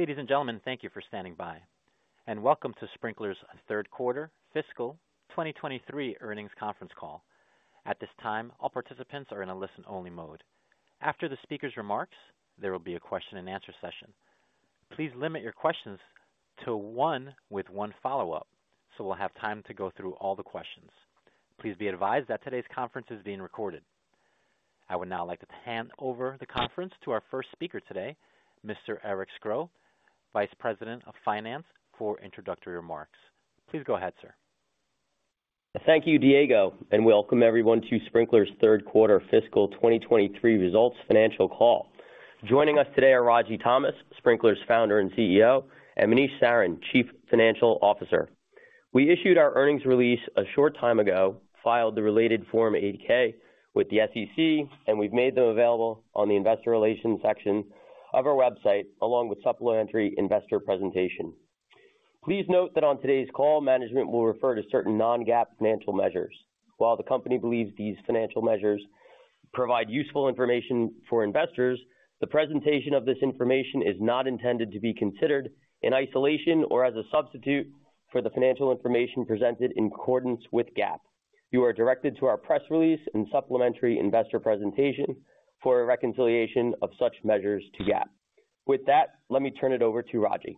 Ladies and gentlemen, thank you for standing by, and welcome to Sprinklr's Q3 fiscal 2023 Earnings Conference Call. At this time, all participants are in a listen-only mode. After the speaker's remarks, there will be a Q&A session. Please limit your questions to one with one follow-up, so we'll have time to go through all the questions. Please be advised that today's conference is being recorded. I would now like to hand over the conference to our first speaker today, Mr. Eric Sgro, Vice President of Finance, for introductory remarks. Please go ahead, sir. Thank you, Diego, and welcome everyone to Sprinklr's Q3 fiscal 2023 results financial call. Joining us today are Ragy Thomas, Sprinklr's founder and CEO, and Manish Sarin, Chief Financial Officer. We issued our earnings release a short time ago, filed the related Form 8-K with the SEC, and we've made them available on the investor relations section of our website, along with supplementary investor presentation. Please note that on today's call, management will refer to certain non-GAAP financial measures. While the company believes these financial measures provide useful information for investors, the presentation of this information is not intended to be considered in isolation or as a substitute for the financial information presented in accordance with GAAP. You are directed to our press release and supplementary investor presentation for a reconciliation of such measures to GAAP. With that, let me turn it over to Ragy.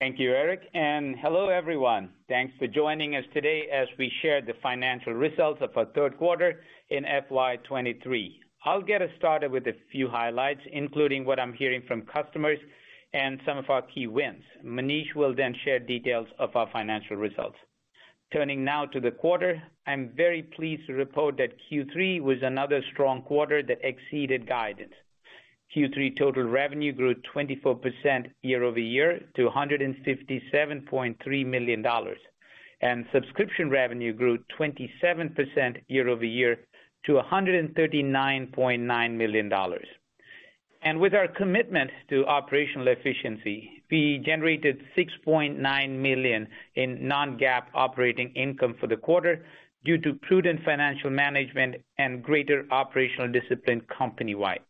Thank you, Eric. Hello everyone. Thanks for joining us today as we share the financial results of our Q3 in FY 2023. I'll get us started with a few highlights, including what I'm hearing from customers and some of our key wins. Manish will share details of our financial results. Turning now to the quarter, I'm very pleased to report that Q3 was another strong quarter that exceeded guidance. Q3 total revenue grew 24% year-over-year to $157.3 million. Subscription revenue grew 27% year-over-year to $139.9 million. With our commitment to operational efficiency, we generated $6.9 million in non-GAAP operating income for the quarter due to prudent financial management and greater operational discipline company-wide.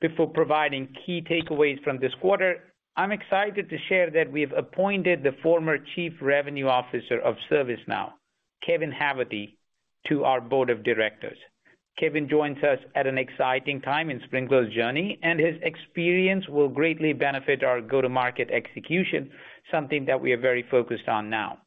Before providing key takeaways from this quarter, I'm excited to share that we've appointed the former Chief Revenue Officer of ServiceNow, Kevin Haverty, to our Board of Directors. Kevin joins us at an exciting time in Sprinklr's journey, and his experience will greatly benefit our go-to-market execution, something that we are very focused on now.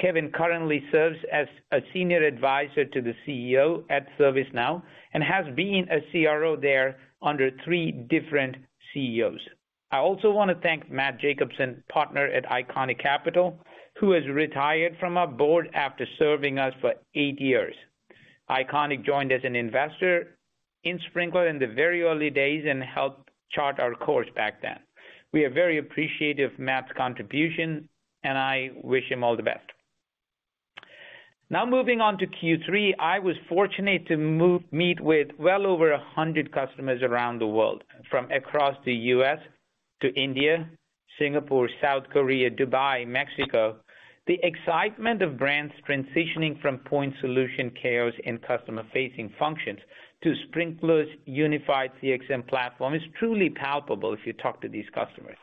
Kevin currently serves as a senior advisor to the CEO at ServiceNow and has been a CRO there under three different CEOs. I also wanna thank Matt Jacobson, partner at ICONIQ Capital, who has retired from our board after serving us for 8 years. Iconic joined as an investor in Sprinklr in the very early days and helped chart our course back then. We are very appreciative of Matt's contribution, and I wish him all the best. Now moving on to Q3, I was fortunate to meet with well over 100 customers around the world, from across the US to India, Singapore, South Korea, Dubai, Mexico. The excitement of brands transitioning from point solution chaos in customer-facing functions to Sprinklr's unified CXM platform is truly palpable if you talk to these customers.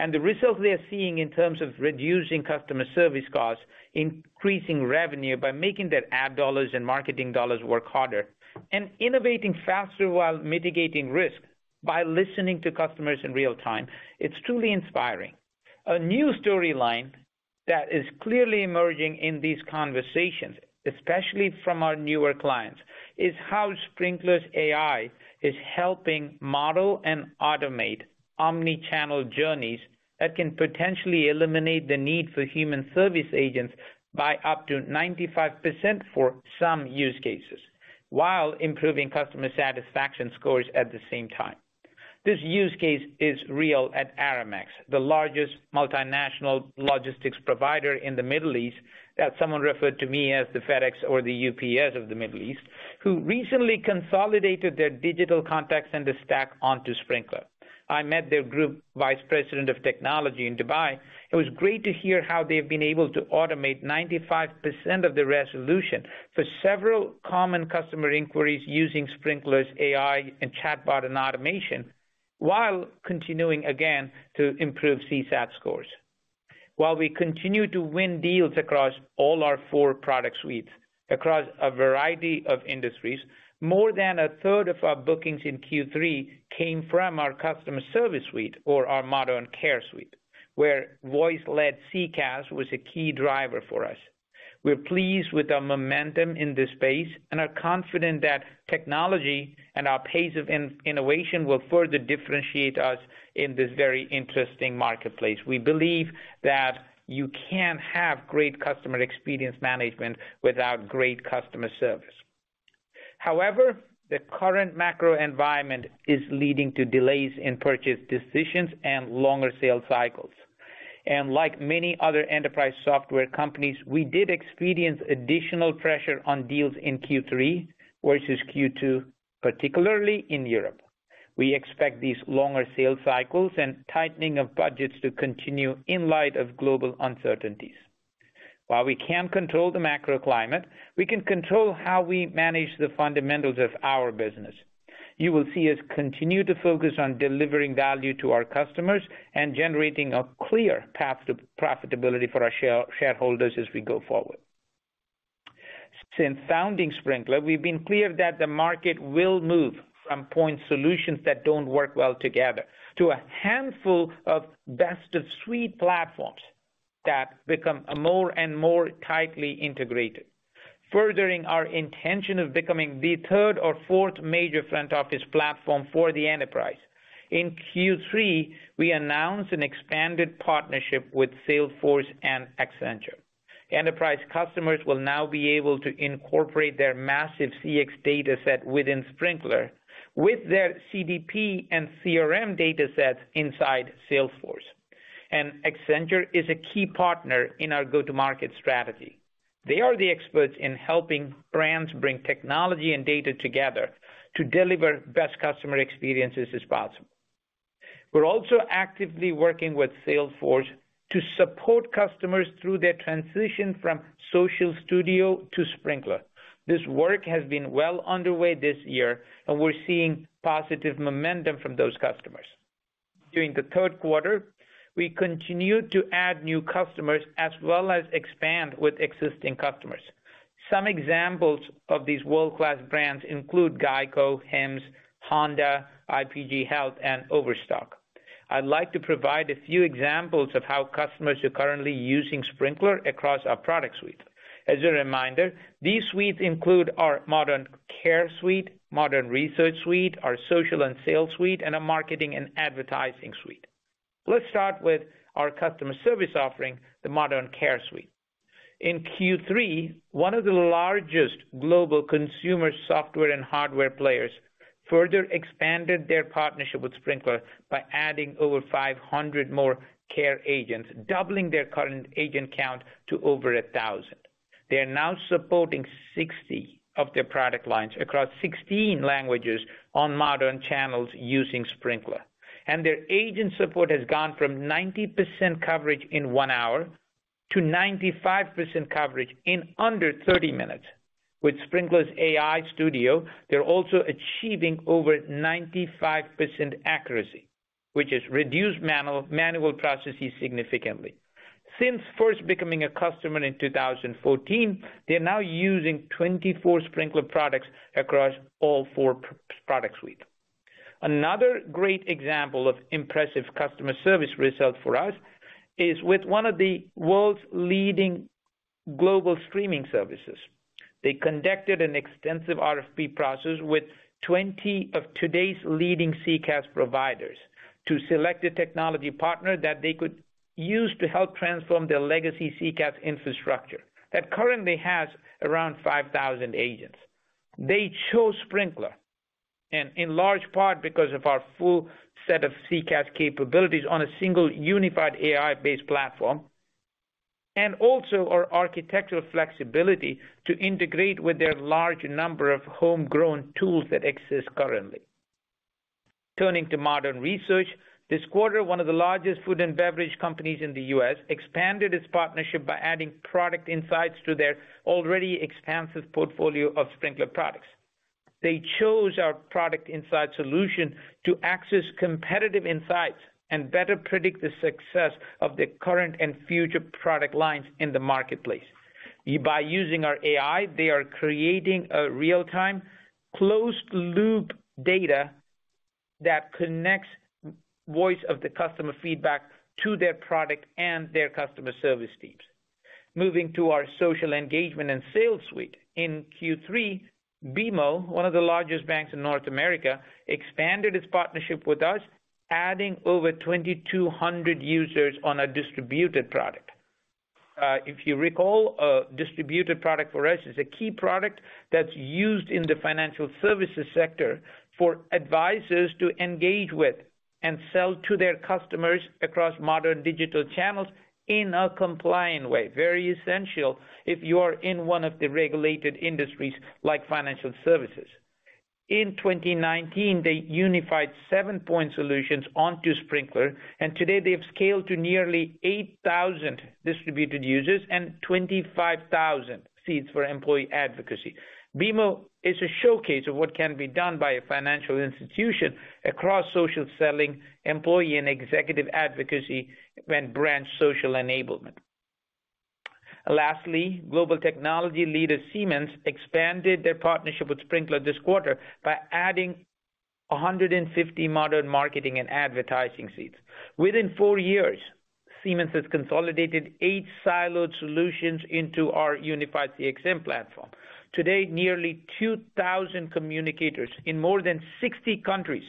The results we are seeing in terms of reducing customer service costs, increasing revenue by making their ad dollars and marketing dollars work harder, and innovating faster while mitigating risk by listening to customers in real time, it's truly inspiring. A new storyline that is clearly emerging in these conversations, especially from our newer clients, is how Sprinklr's AI is helping model and automate omni-channel journeys that can potentially eliminate the need for human service agents by up to 95% for some use cases, while improving customer satisfaction scores at the same time. This use case is real at Aramex, the largest multinational logistics provider in the Middle East, that someone referred to me as the FedEx or the UPS of the Middle East, who recently consolidated their digital contacts and the stack onto Sprinklr. I met their group vice president of technology in Dubai. It was great to hear how they've been able to automate 95% of the resolution for several common customer inquiries using Sprinklr's AI and chatbot and automation while continuing, again, to improve CSAT scores. While we continue to win deals across all our four product suites, across a variety of industries, more than a third of our bookings in Q3 came from our customer service suite or our Modern Care suite, where voice-led CCaaS was a key driver for us. We're pleased with our momentum in this space and are confident that technology and our pace of innovation will further differentiate us in this very interesting marketplace. We believe that you can't have great customer experience management without great customer service. However, the current macro environment is leading to delays in purchase decisions and longer sales cycles. Like many other enterprise software companies, we did experience additional pressure on deals in Q3 versus Q2, particularly in Europe. We expect these longer sales cycles and tightening of budgets to continue in light of global uncertainties. While we can't control the macroclimate, we can control how we manage the fundamentals of our business. You will see us continue to focus on delivering value to our customers and generating a clear path to profitability for our shareholders as we go forward. Since founding Sprinklr, we've been clear that the market will move from point solutions that don't work well together to a handful of best-of-suite platforms that become more and more tightly integrated, furthering our intention of becoming the third or fourth major front office platform for the enterprise. In Q3, we announced an expanded partnership with Salesforce and Accenture. Enterprise customers will now be able to incorporate their massive CX dataset within Sprinklr with their CDP and CRM datasets inside Salesforce. Accenture is a key partner in our go-to-market strategy. They are the experts in helping brands bring technology and data together to deliver best customer experiences as possible. We're also actively working with Salesforce to support customers through their transition from Social Studio to Sprinklr. This work has been well underway this year, and we're seeing positive momentum from those customers. During the Q3, we continued to add new customers as well as expand with existing customers. Some examples of these world-class brands include GEICO, Hims, Honda, IPG Health, and Overstock. I'd like to provide a few examples of how customers are currently using Sprinklr across our product suite. As a reminder, these suites include our Modern Care suite, Modern Research suite, our social and sale suite, and our marketing and advertising suite. Let's start with our customer service offering, the Modern Care suite. In Q3, one of the largest global consumer software and hardware players further expanded their partnership with Sprinklr by adding over 500 more care agents, doubling their current agent count to over 1,000. They are now supporting 60 of their product lines across 16 languages on modern channels using Sprinklr, and their agent support has gone from 90% coverage in 1 hour to 95% coverage in under 30 minutes. With Sprinklr's AI Studio, they're also achieving over 95% accuracy, which has reduced manual processes significantly. Since first becoming a customer in 2014, they're now using 24 Sprinklr products across all four product suite. Another great example of impressive customer service results for us is with one of the world's leading global streaming services. They conducted an extensive RFP process with 20 of today's leading CCaaS providers to select a technology partner that they could use to help transform their legacy CCaaS infrastructure that currently has around 5,000 agents. They chose Sprinklr, and in large part because of our full set of CCaaS capabilities on a single unified AI-based platform, and also our architectural flexibility to integrate with their large number of homegrown tools that exist currently. Turning to Modern Research, this quarter, one of the largest food and beverage companies in the U.S. expanded its partnership by adding product insights to their already expansive portfolio of Sprinklr products. They chose our product insight solution to access competitive insights and better predict the success of their current and future product lines in the marketplace. By using our AI, they are creating a real-time closed-loop data that connects voice of the customer feedback to their product and their customer service teams. Moving to our social engagement and sales suite. In Q3, BMO, one of the largest banks in North America, expanded its partnership with us, adding over 2,200 users on a distributed product. If you recall, a distributed product for us is a key product that's used in the financial services sector for advisors to engage with and sell to their customers across modern digital channels in a compliant way. Very essential if you are in one of the regulated industries like financial services. In 2019, they unified seven-point solutions onto Sprinklr, today they have scaled to nearly 8,000 distributed users and 25,000 seats for employee advocacy. BMO is a showcase of what can be done by a financial institution across social selling, employee and executive advocacy, and brand social enablement. Global technology leader Siemens expanded their partnership with Sprinklr this quarter by adding 150 modern marketing and advertising seats. Within four years, Siemens has consolidated eight siloed solutions into our unified CXM platform. Today, nearly 2,000 communicators in more than 60 countries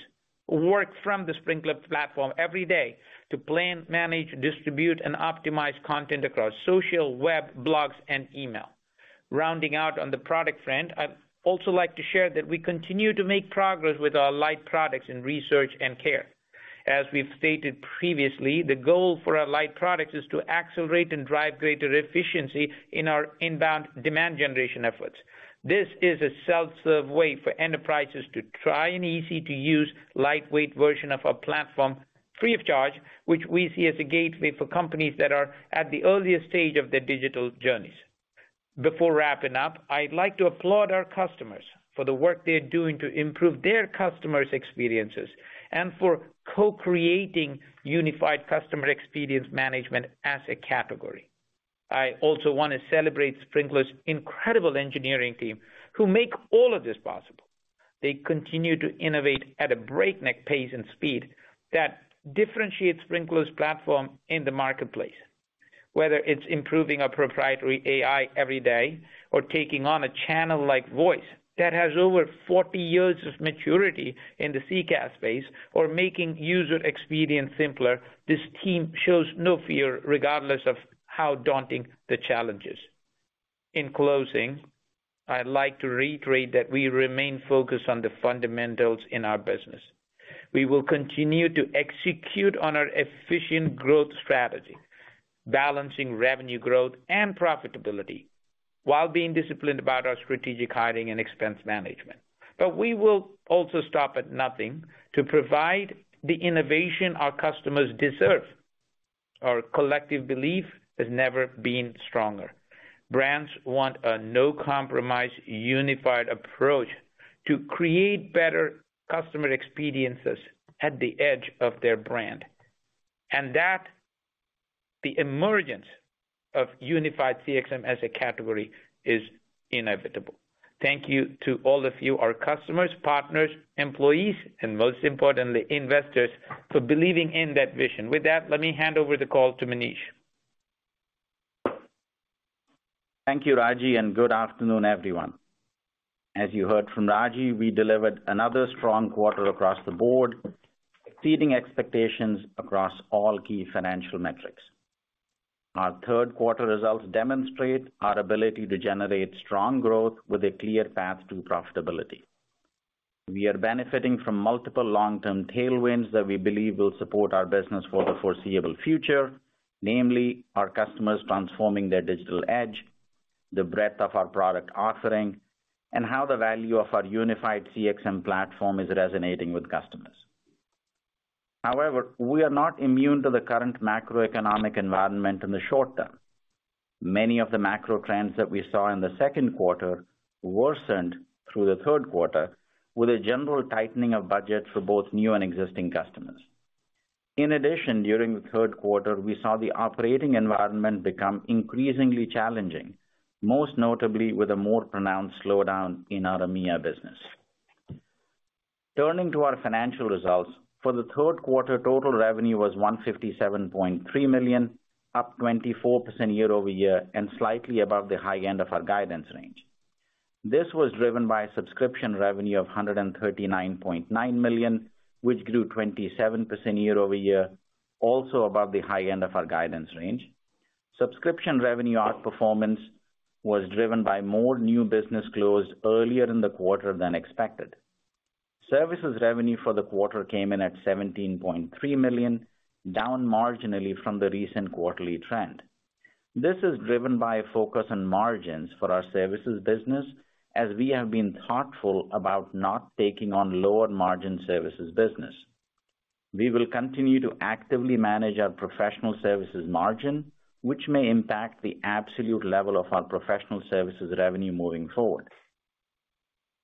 work from the Sprinklr platform every day to plan, manage, distribute, and optimize content across social, web, blogs, and email. Rounding out on the product front, I'd also like to share that we continue to make progress with our light products in research and care. As we've stated previously, the goal for our light products is to accelerate and drive greater efficiency in our inbound demand generation efforts. This is a self-serve way for enterprises to try an easy-to-use, lightweight version of our platform, free of charge, which we see as a gateway for companies that are at the earliest stage of their digital journeys. Before wrapping up, I'd like to applaud our customers for the work they're doing to improve their customers' experiences and for co-creating unified customer experience management as a category. I also wanna celebrate Sprinklr's incredible engineering team who make all of this possible. They continue to innovate at a breakneck pace and speed that differentiates Sprinklr's platform in the marketplace. Whether it's improving our proprietary AI every day or taking on a channel like voice that has over 40 years of maturity in the CCaaS space or making user experience simpler, this team shows no fear regardless of how daunting the challenge is. In closing, I'd like to reiterate that we remain focused on the fundamentals in our business. We will continue to execute on our efficient growth strategy, balancing revenue growth and profitability while being disciplined about our strategic hiring and expense management. We will also stop at nothing to provide the innovation our customers deserve. Our collective belief has never been stronger. Brands want a no-compromise, unified approach to create better customer experiences at the edge of their brand, and that the emergence of unified CXM as a category is inevitable. Thank you to all of you, our customers, partners, employees, and most importantly, investors, for believing in that vision. With that, let me hand over the call to Manish. Thank you, Ragy. Good afternoon, everyone. As you heard from Ragy, we delivered another strong quarter across the board, exceeding expectations across all key financial metrics. Our Q3 results demonstrate our ability to generate strong growth with a clear path to profitability. We are benefiting from multiple long-term tailwinds that we believe will support our business for the foreseeable future, namely our customers transforming their digital edge, the breadth of our product offering, and how the value of our unified CXM platform is resonating with customers. We are not immune to the current macroeconomic environment in the short term. Many of the macro trends that we saw in the Q2 worsened through the Q3, with a general tightening of budgets for both new and existing customers. In addition, during the Q3, we saw the operating environment become increasingly challenging, most notably with a more pronounced slowdown in our EMEA business. Turning to our financial results. For the Q3, total revenue was $157.3 million, up 24% year-over-year and slightly above the high end of our guidance range. This was driven by subscription revenue of $139.9 million, which grew 27% year-over-year, also above the high end of our guidance range. Subscription revenue outperformance was driven by more new business closed earlier in the quarter than expected. Services revenue for the quarter came in at $17.3 million, down marginally from the recent quarterly trend. This is driven by a focus on margins for our services business, as we have been thoughtful about not taking on lower margin services business. We will continue to actively manage our professional services margin, which may impact the absolute level of our professional services revenue moving forward.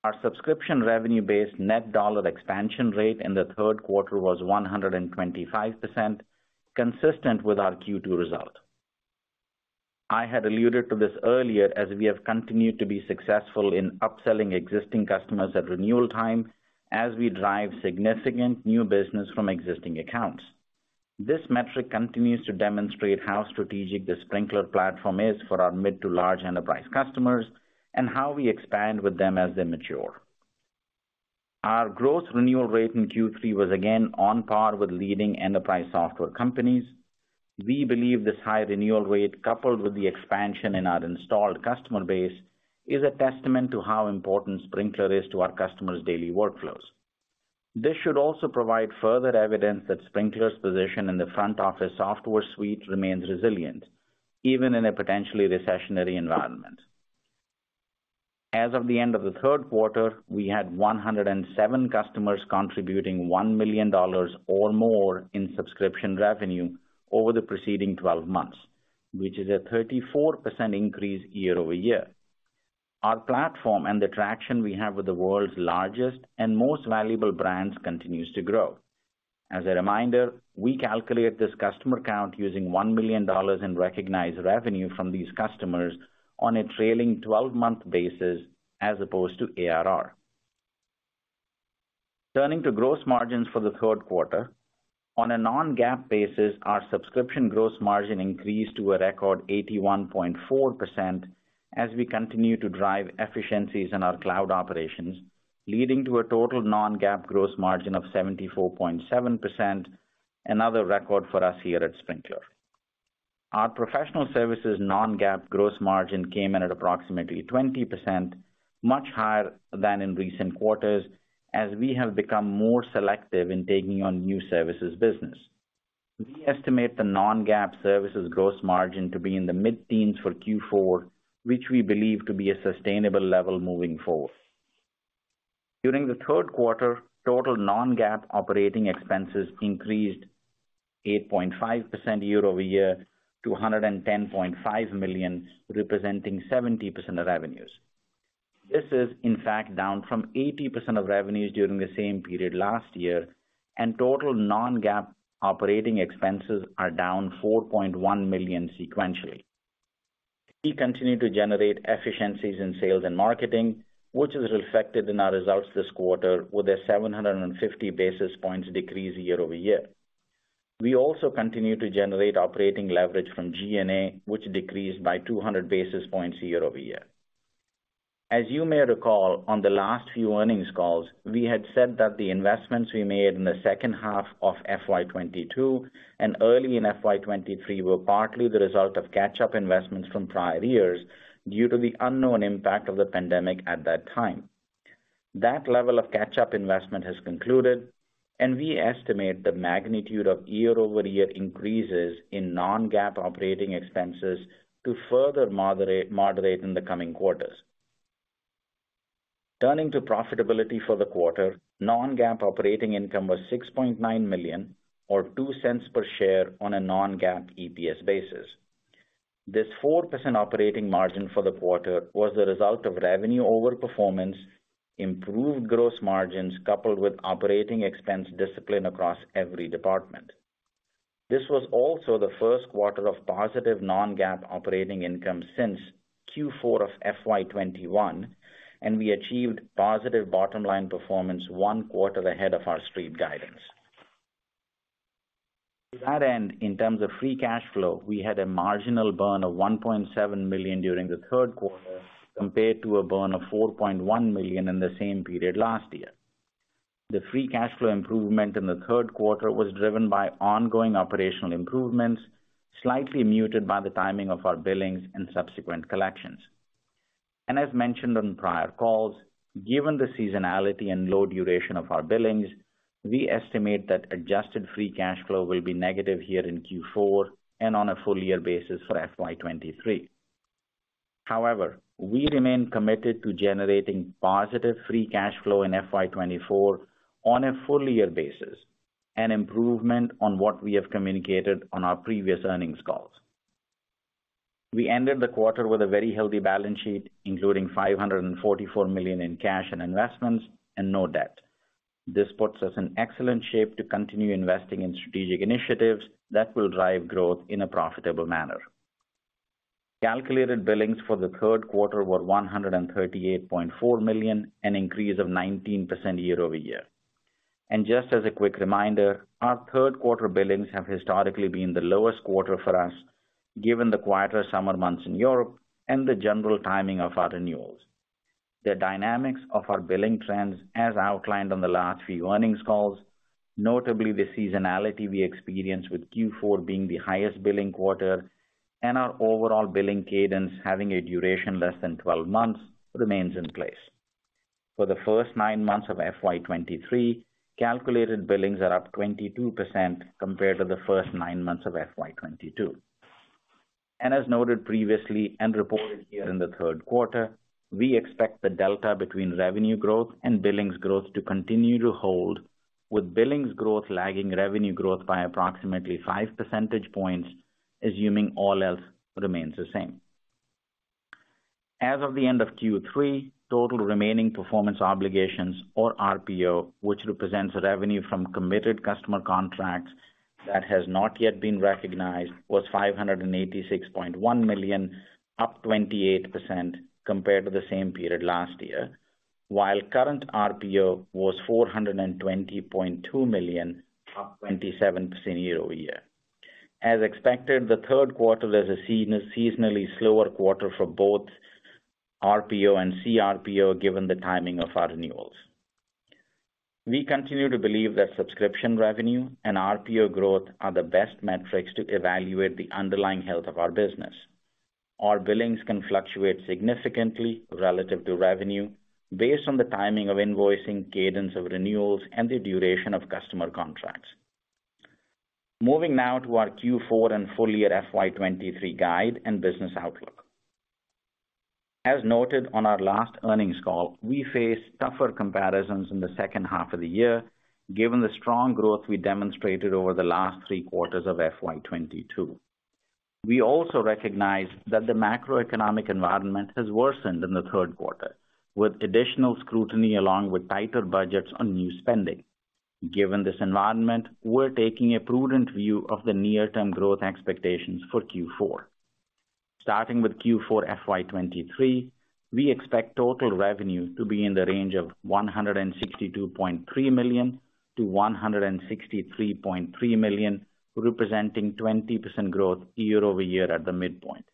Our subscription revenue-based Net Dollar Expansion Rate in the Q3 was 125%, consistent with our Q2 result. I had alluded to this earlier as we have continued to be successful in upselling existing customers at renewal time as we drive significant new business from existing accounts. This metric continues to demonstrate how strategic the Sprinklr platform is for our mid to large enterprise customers and how we expand with them as they mature. Our gross renewal rate in Q3 was again on par with leading enterprise software companies. We believe this high renewal rate, coupled with the expansion in our installed customer base, is a testament to how important Sprinklr is to our customers' daily workflows. This should also provide further evidence that Sprinklr's position in the front office software suite remains resilient, even in a potentially recessionary environment. As of the end of the Q3, we had 107 customers contributing $1 million or more in subscription revenue over the preceding 12 months, which is a 34% increase year-over-year. Our platform and the traction we have with the world's largest and most valuable brands continues to grow. As a reminder, we calculate this customer count using $1 million in recognized revenue from these customers on a trailing 12-month basis as opposed to ARR. Turning to gross margins for the Q3. On a non-GAAP basis, our subscription gross margin increased to a record 81.4% as we continue to drive efficiencies in our cloud operations, leading to a total non-GAAP gross margin of 74.7%, another record for us here at Sprinklr. Our professional services non-GAAP gross margin came in at approximately 20%, much higher than in recent quarters as we have become more selective in taking on new services business. We estimate the non-GAAP services gross margin to be in the mid-teens for Q4, which we believe to be a sustainable level moving forward. During the Q3, total non-GAAP operating expenses increased 8.5% year-over-year to $110.5 million, representing 70% of revenues. This is in fact down from 80% of revenues during the same period last year, and total non-GAAP operating expenses are down $4.1 million sequentially. We continue to generate efficiencies in sales and marketing, which is reflected in our results this quarter with a 750 basis points decrease year-over-year. We also continue to generate operating leverage from G&A, which decreased by 200 basis points year-over-year. As you may recall, on the last few earnings calls, we had said that the investments we made in the second half of FY 2022 and early in FY 2023 were partly the result of catch-up investments from prior years due to the unknown impact of the pandemic at that time. That level of catch-up investment has concluded, and we estimate the magnitude of year-over-year increases in non-GAAP operating expenses to further moderate in the coming quarters. Turning to profitability for the quarter, non-GAAP operating income was $6.9 million or $0.02 per share on a non-GAAP EPS basis. This 4% operating margin for the quarter was the result of revenue overperformance, improved gross margins, coupled with operating expense discipline across every department. This was also the Q1 of positive non-GAAP operating income since Q4 of FY 2021. We achieved positive bottom-line performance one quarter ahead of our street guidance. To that end, in terms of free cash flow, we had a marginal burn of $1.7 million during the Q3 compared to a burn of $4.1 million in the same period last year. The free cash flow improvement in the Q3 was driven by ongoing operational improvements, slightly muted by the timing of our billings and subsequent collections. As mentioned on prior calls, given the seasonality and low duration of our billings, we estimate that adjusted free cash flow will be negative here in Q4 and on a full year basis for FY 2023. We remain committed to generating positive free cash flow in FY 2024 on a full year basis, an improvement on what we have communicated on our previous earnings calls. We ended the quarter with a very healthy balance sheet, including $544 million in cash and investments and no debt. This puts us in excellent shape to continue investing in strategic initiatives that will drive growth in a profitable manner. Calculated billings for the Q3 were $138.4 million, an increase of 19% year-over-year. Just as a quick reminder, our Q3 billings have historically been the lowest quarter for us, given the quieter summer months in Europe and the general timing of our renewals. The dynamics of our billing trends as outlined on the last few earnings calls, notably the seasonality we experience with Q4 being the highest billing quarter and our overall billing cadence having a duration less than 12 months, remains in place. For the first nine months of FY 2023, calculated billings are up 22% compared to the first nine months of FY 2022. As noted previously and reported here in the Q3, we expect the delta between revenue growth and billings growth to continue to hold, with billings growth lagging revenue growth by approximately 5 percentage points, assuming all else remains the same. As of the end of Q3, total remaining performance obligations or RPO, which represents revenue from committed customer contracts that has not yet been recognized, was $586.1 million, up 28% compared to the same period last year, while current RPO was $420.2 million, up 27% year-over-year. As expected, the Q3 was a seasonally slower quarter for both RPO and CRPO, given the timing of our renewals. We continue to believe that subscription revenue and RPO growth are the best metrics to evaluate the underlying health of our business. Our billings can fluctuate significantly relative to revenue based on the timing of invoicing, cadence of renewals, and the duration of customer contracts. Moving now to our Q4 and full year FY23 guide and business outlook. As noted on our last earnings call, we face tougher comparisons in the second half of the year given the strong growth we demonstrated over the last three quarters of FY 2022. We also recognize that the macroeconomic environment has worsened in the Q3, with additional scrutiny along with tighter budgets on new spending. Given this environment, we're taking a prudent view of the near-term growth expectations for Q4. Starting with Q4 FY 2023, we expect total revenue to be in the range of $162.3 million to $163.3 million, representing 20% growth year-over-year at the midpoint.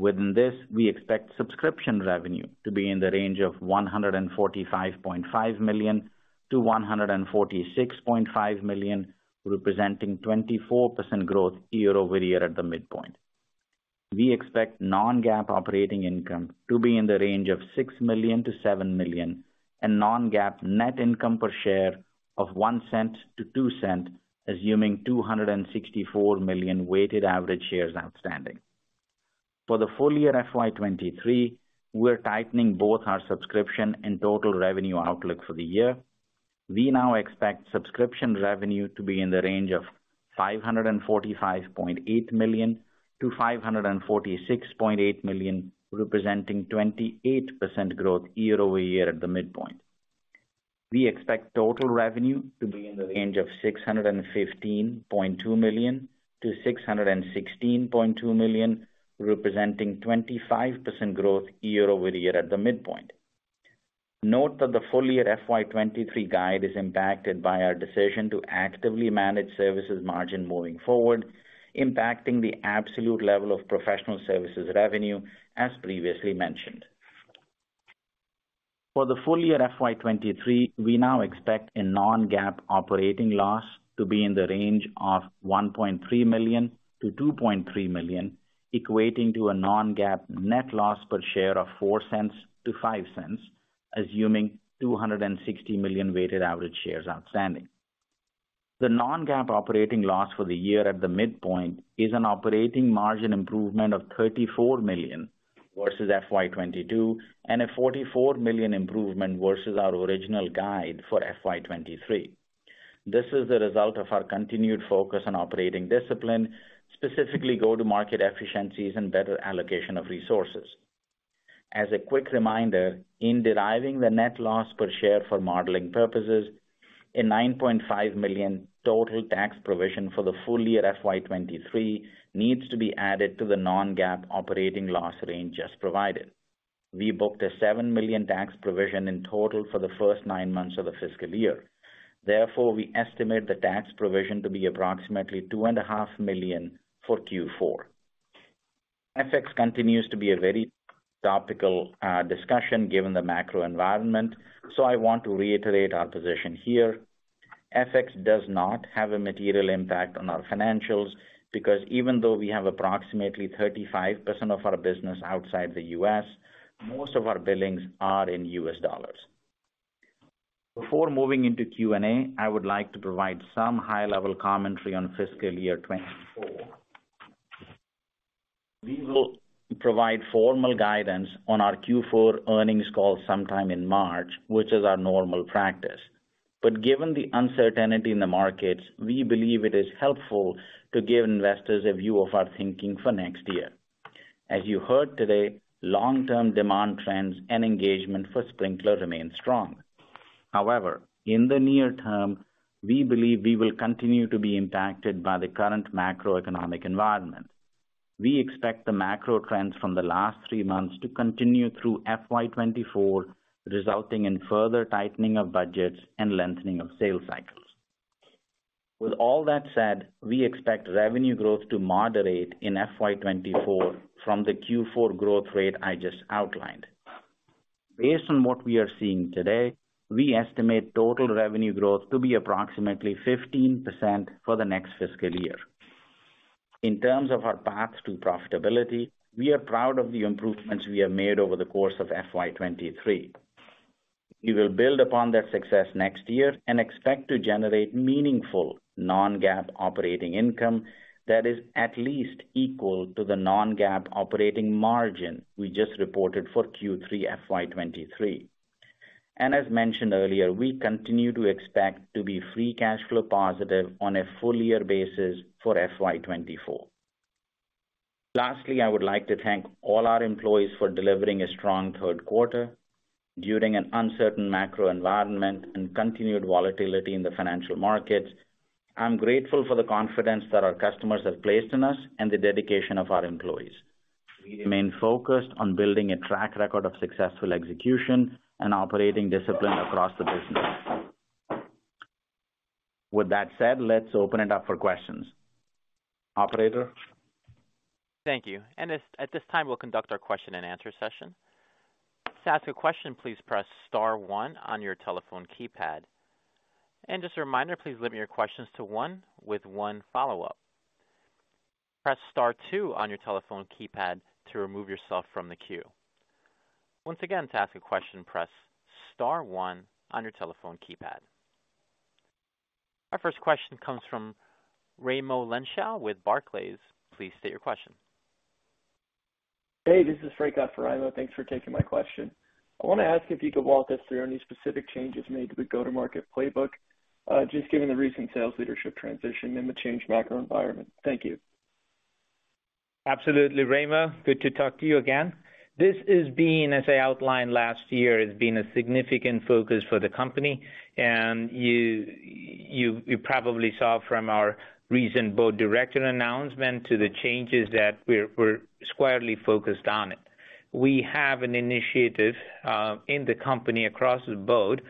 Within this, we expect subscription revenue to be in the range of $145.5 million to $146.5 million, representing 24% growth year-over-year at the midpoint. We expect non-GAAP operating income to be in the range of $6 million to $7 million, and non-GAAP net income per share of $0.01 to $0.02, assuming 264 million weighted average shares outstanding. For the full year FY 2023, we're tightening both our subscription and total revenue outlook for the year. We now expect subscription revenue to be in the range of $545.8 million to $546.8 million, representing 28% growth year-over-year at the midpoint. We expect total revenue to be in the range of $615.2 million to $616.2 million, representing 25% growth year-over-year at the midpoint. Note that the full year FY 2023 guide is impacted by our decision to actively manage services margin moving forward, impacting the absolute level of professional services revenue, as previously mentioned. For the full year FY 2023, we now expect a non-GAAP operating loss to be in the range of $1.3 million to $2.3 million, equating to a non-GAAP net loss per share of $0.04 to $0.05, assuming 260 million weighted average shares outstanding. The non-GAAP operating loss for the year at the midpoint is an operating margin improvement of $34 million versus FY 2022, and a $44 million improvement versus our original guide for FY 2023. This is the result of our continued focus on operating discipline, specifically go-to-market efficiencies and better allocation of resources. As a quick reminder, in deriving the net loss per share for modeling purposes, a $9.5 million total tax provision for the full year FY 2023 needs to be added to the non-GAAP operating loss range just provided. We booked a $7 million tax provision in total for the nine months of the fiscal year. Therefore, we estimate the tax provision to be approximately $2.5 million for Q4. FX continues to be a very topical discussion given the macro environment, so I want to reiterate our position here. FX does not have a material impact on our financials because even though we have approximately 35% of our business outside the U.S., most of our billings are in US dollars. Before moving into Q&A, I would like to provide some high-level commentary on fiscal year 2024. We will provide formal guidance on our Q4 earnings call sometime in March, which is our normal practice. Given the uncertainty in the markets, we believe it is helpful to give investors a view of our thinking for next year. As you heard today, long-term demand trends and engagement for Sprinklr remain strong. However, in the near term, we believe we will continue to be impacted by the current macroeconomic environment. We expect the macro trends from the last three months to continue through FY 2024, resulting in further tightening of budgets and lengthening of sales cycles. With all that said, we expect revenue growth to moderate in FY 2024 from the Q4 growth rate I just outlined. Based on what we are seeing today, we estimate total revenue growth to be approximately 15% for the next fiscal year. In terms of our path to profitability, we are proud of the improvements we have made over the course of FY 2023. We will build upon that success next year and expect to generate meaningful non-GAAP operating income that is at least equal to the non-GAAP operating margin we just reported for Q3 FY 2023. As mentioned earlier, we continue to expect to be free cash flow positive on a full year basis for FY 2024. Lastly, I would like to thank all our employees for delivering a strong Q3 during an uncertain macro environment and continued volatility in the financial markets. I'm grateful for the confidence that our customers have placed in us and the dedication of our employees. We remain focused on building a track record of successful execution and operating discipline across the business. With that said, let's open it up for questions. Operator? Thank you. At this time, we'll conduct our question and answer session. To ask a question, please press star one on your telephone keypad. Just a reminder, please limit your questions to one with one follow-up. Press star two on your telephone keypad to remove yourself from the queue. Once again, to ask a question, press star one on your telephone keypad. Our first question comes from Raimo Lenschow with Barclays. Please state your question. Hey, this is Ray for Raimo. Thanks for taking my question. I wanna ask if you could walk us through any specific changes made to the go-to-market playbook, just given the recent sales leadership transition and the changed macro environment. Thank you. Absolutely, Ray. Good to talk to you again. This, as I outlined last year, has been a significant focus for the company. You probably saw from our recent board director announcement to the changes that we're squarely focused on it. We have an initiative in the company across the board,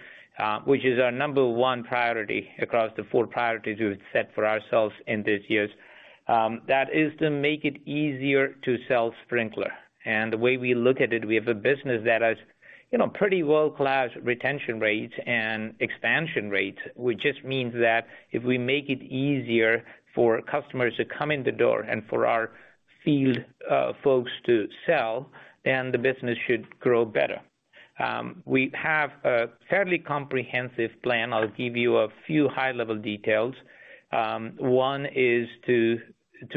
which is our number one priority across the 4four priorities we've set for ourselves in these years, that is to make it easier to sell Sprinklr. The way we look at it, we have a business that has, you know, pretty world-class retention rates and expansion rates, which just means that if we make it easier for customers to come in the door and for our field folks to sell, then the business should grow better. We have a fairly comprehensive plan. I'll give you a few high-level details. One is to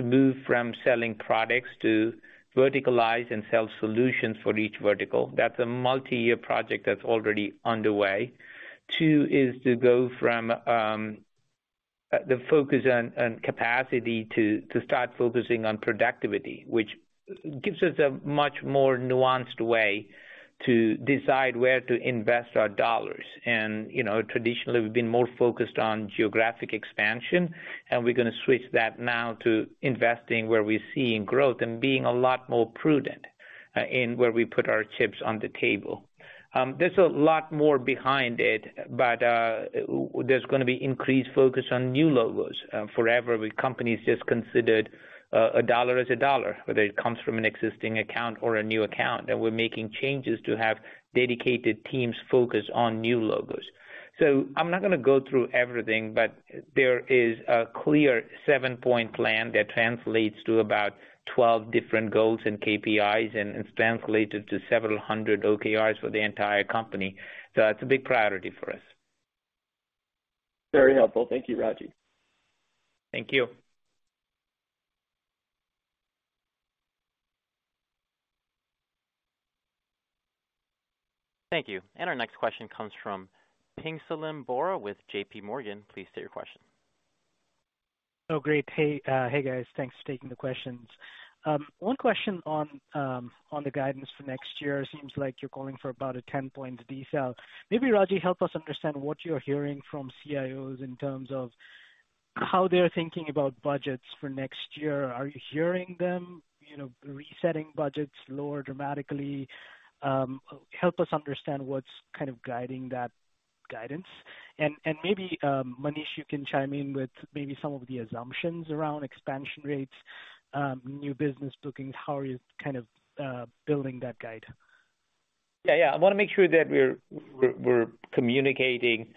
move from selling products to verticalize and sell solutions for each vertical. That's a multi-year project that's already underway. Two is to go from the focus on capacity to start focusing on productivity, which gives us a much more nuanced way to decide where to invest our dollars. You know, traditionally, we've been more focused on geographic expansion, and we're gonna switch that now to investing where we're seeing growth and being a lot more prudent in where we put our chips on the table. There's a lot more behind it, but there's gonna be increased focus on new logos. Forever with companies just considered, a dollar is a dollar, whether it comes from an existing account or a new account, that we're making changes to have dedicated teams focus on new logos. I'm not gonna go through everything, but there is a clear seven-point plan that translates to about 12 different goals and KPIs, and it's translated to several hundred OKRs for the entire company. It's a big priority for us. Very helpful. Thank you, Ragy. Thank you. Thank you. Our next question comes from Pinjalim Bora with JPMorgan. Please state your question. Great. Hey, guys. Thanks for taking the questions. One question on the guidance for next year. Seems like you're calling for about a 10-point decel. Maybe, Ragy, help us understand what you're hearing from CIOs in terms of how they're thinking about budgets for next year. Are you hearing them, you know, resetting budgets lower dramatically? Help us understand what's kind of guiding that guidance. Maybe, Manish, you can chime in with maybe some of the assumptions around expansion rates, new business bookings, how are you kind of building that guide? Yeah, yeah. I wanna make sure that we're communicating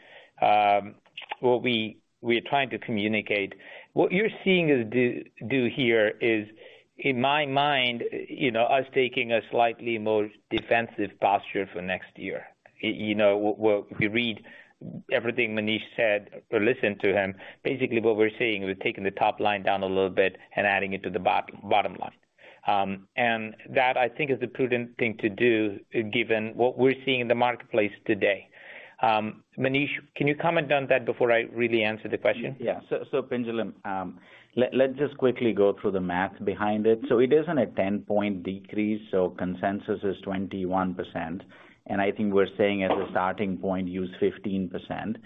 what we are trying to communicate. What you're seeing us do here is, in my mind, you know, us taking a slightly more defensive posture for next year. You know, if you read everything Manish said or listened to him, basically what we're saying, we're taking the top line down a little bit and adding it to the bottom line. That, I think, is the prudent thing to do given what we're seeing in the marketplace today. Manish, can you comment on that before I really answer the question? Yeah. So Pinjalim, let's just quickly go through the math behind it. It isn't a 10-point decrease, consensus is 21%. I think we're saying as a starting point, use 15%.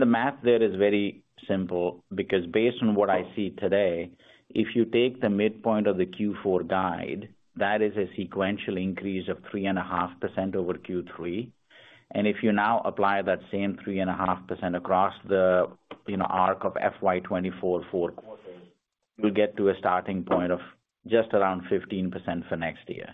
The math there is very simple because based on what I see today, if you take the midpoint of the Q4 guide, that is a sequential increase of 3.5% over Q3. If you now apply that same 3.5% across the, you know, arc of FY 2024 forward, we'll get to a starting point of just around 15% for next year.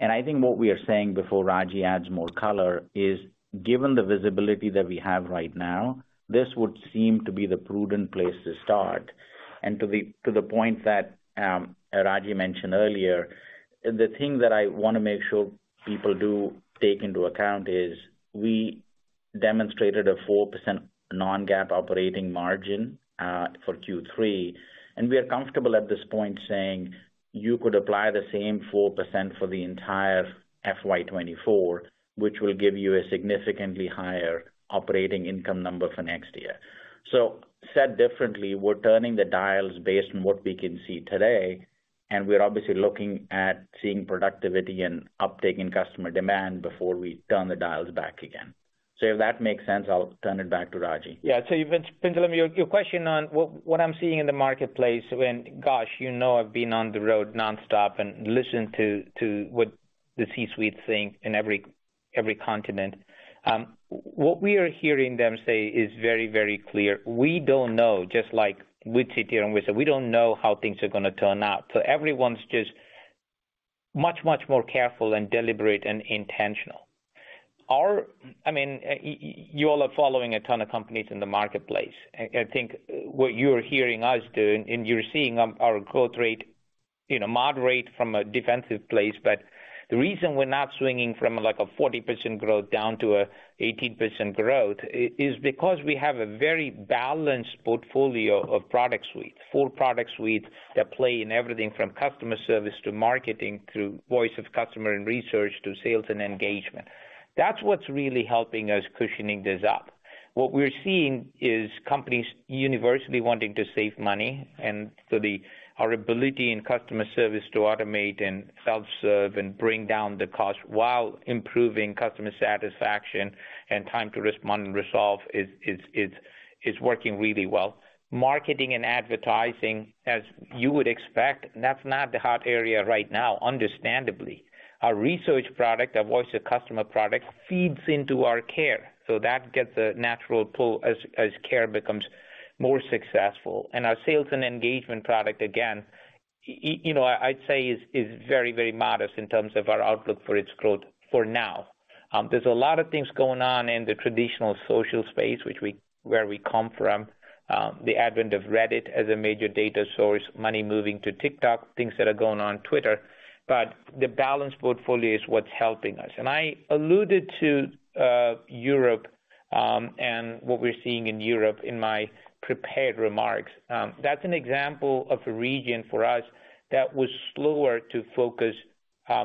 I think what we are saying, before Ragy adds more color, is given the visibility that we have right now, this would seem to be the prudent place to start. To the point that Ragy mentioned earlier, the thing that I wanna make sure people do take into account is, we demonstrated a 4% non-GAAP operating margin for Q3, and we are comfortable at this point saying you could apply the same 4% for the entire FY 2024, which will give you a significantly higher operating income number for next year. Said differently, we're turning the dials based on what we can see today, and we're obviously looking at seeing productivity and uptake in customer demand before we turn the dials back again. If that makes sense, I'll turn it back to Ragy. Yeah. Pinjalim, your question on what I'm seeing in the marketplace when, gosh, you know I've been on the road nonstop and listened to what the C-suite think in every continent. What we are hearing them say is very clear. We don't know, just like we'd sit here and we say, we don't know how things are gonna turn out. Everyone's just much more careful and deliberate and intentional. I mean, you all are following a ton of companies in the marketplace. I think what you're hearing us do, and you're seeing our growth rate, you know, moderate from a defensive place. The reason we're not swinging from, like, a 40% growth down to an 18% growth is because we have a very balanced portfolio of product suite, full product suite that play in everything from customer service to marketing, to voice of customer and research, to sales and engagement. That's what's really helping us cushioning this up. What we're seeing is companies universally wanting to save money, our ability in customer service to automate and self-serve and bring down the cost while improving customer satisfaction and time to risk money resolve is working really well. Marketing and advertising, as you would expect, that's not the hot area right now, understandably. Our research product, our voice to customer product feeds into our care, that gets a natural pull as care becomes more successful. Our sales and engagement product, again, you know, I'd say is very, very modest in terms of our outlook for its growth for now. There's a lot of things going on in the traditional social space, where we come from, the advent of Reddit as a major data source, money moving to TikTok, things that are going on Twitter, but the balanced portfolio is what's helping us. I alluded to Europe and what we're seeing in Europe in my prepared remarks, that's an example of a region for us that was slower to focus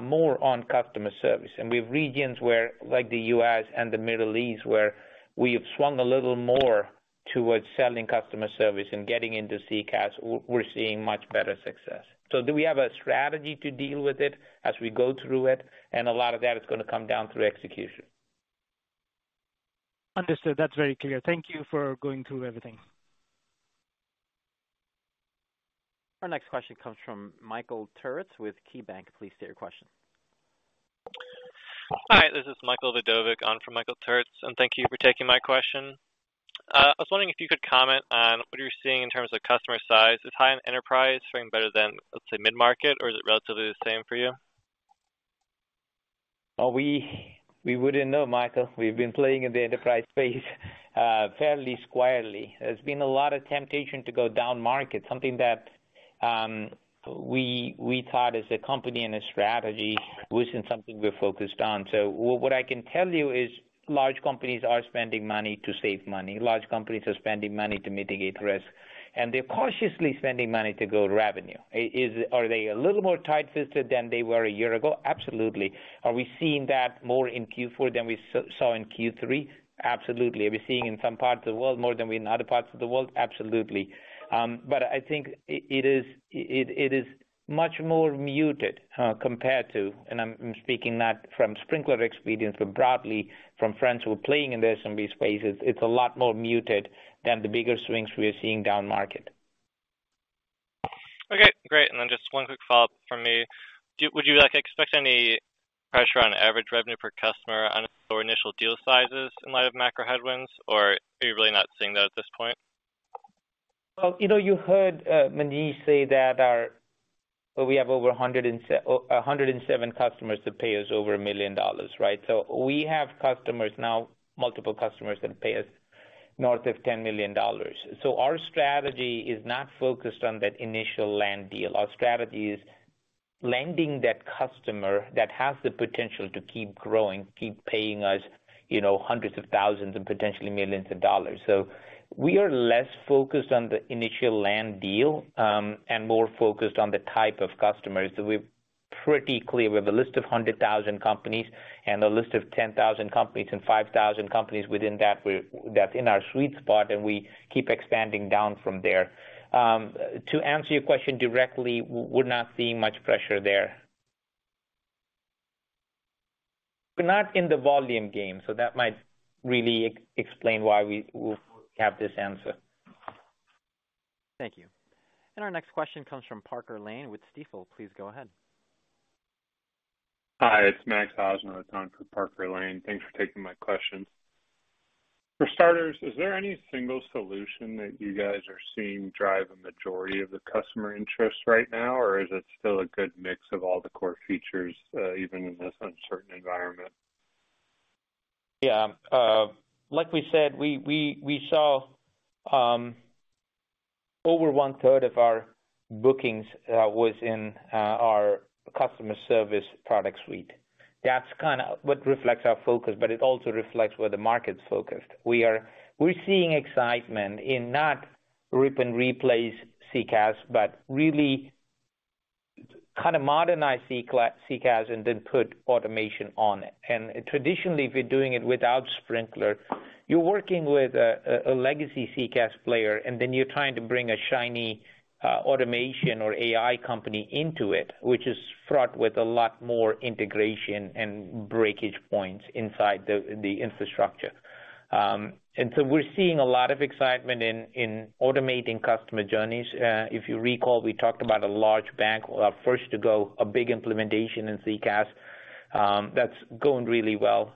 more on customer service. We have regions where like the U.S. and the Middle East, where we have swung a little more towards selling customer service and getting into CCaaS, we're seeing much better success. Do we have a strategy to deal with it as we go through it? A lot of that is gonna come down through execution. Understood. That's very clear. Thank you for going through everything. Our next question comes from Michael Turits with KeyBanc. Please state your question. Hi, this is Michael Vidovic on for Michael Turits. Thank you for taking my question. I was wondering if you could comment on what you're seeing in terms of customer size. Is high-end enterprise doing better than, let's say, mid-market, or is it relatively the same for you? Well, we wouldn't know, Michael. We've been playing in the enterprise space, fairly squarely. There's been a lot of temptation to go down market, something that, we thought as a company and a strategy wasn't something we're focused on. What I can tell you is large companies are spending money to save money. Large companies are spending money to mitigate risk, and they're cautiously spending money to grow revenue. Are they a little more tight-fisted than they were a year ago? Absolutely. Are we seeing that more in Q4 than we saw in Q3? Absolutely. Are we seeing in some parts of the world more than we in other parts of the world? Absolutely. I think it is much more muted compared to, and I'm speaking not from Sprinklr experience, but broadly from friends who are playing in the SMB spaces, it's a lot more muted than the bigger swings we are seeing down market. Okay, great. Just one quick follow-up from me. Would you, like, expect any pressure on average revenue per customer on for initial deal sizes in light of macro headwinds, or are you really not seeing that at this point? Well, you know, you heard Manish say that we have over 107 customers that pay us over $1 million, right? We have customers now, multiple customers that pay us north of $10 million. Our strategy is not focused on that initial land deal. Our strategy is landing that customer that has the potential to keep growing, keep paying us, you know, hundreds of thousands and potentially millions of dollars. We are less focused on the initial land deal and more focused on the type of customers that we're pretty clear. We have a list of 100,000 companies and a list of 10,000 companies and 5,000 companies within that's in our sweet spot, and we keep expanding down from there. To answer your question directly, we're not seeing much pressure there. We're not in the volume game, that might really explain why we have this answer. Thank you. Our next question comes from Parker Lane with Stifel. Please go ahead. Hi, it's Max Osnow on for Parker Lane. Thanks for taking my question. For starters, is there any single solution that you guys are seeing drive a majority of the customer interest right now? Is it still a good mix of all the core features, even in this uncertain environment? Like we said, we saw over one-third of our bookings was in our customer service product suite. That's kind of what reflects our focus, but it also reflects where the market's focused. We're seeing excitement in not rip and replace CCaaS, but really kind of modernize CCaaS and then put automation on it. Traditionally, if you're doing it without Sprinklr, you're working with a legacy CCaaS player, and then you're trying to bring a shiny automation or AI company into it, which is fraught with a lot more integration and breakage points inside the infrastructure. We're seeing a lot of excitement in automating customer journeys. If you recall, we talked about a large bank, our first to go, a big implementation in CCaaS, that's going really well.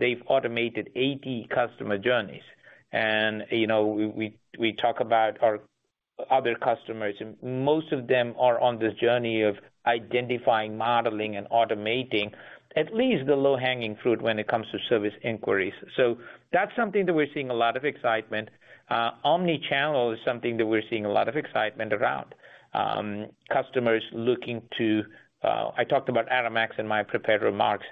They've automated 80 customer journeys. You know, we talk about our other customers, and most of them are on this journey of identifying, modeling, and automating at least the low-hanging fruit when it comes to service inquiries. That's something that we're seeing a lot of excitement. Omni-channel is something that we're seeing a lot of excitement around. Customers looking to, I talked about Aramex in my prepared remarks.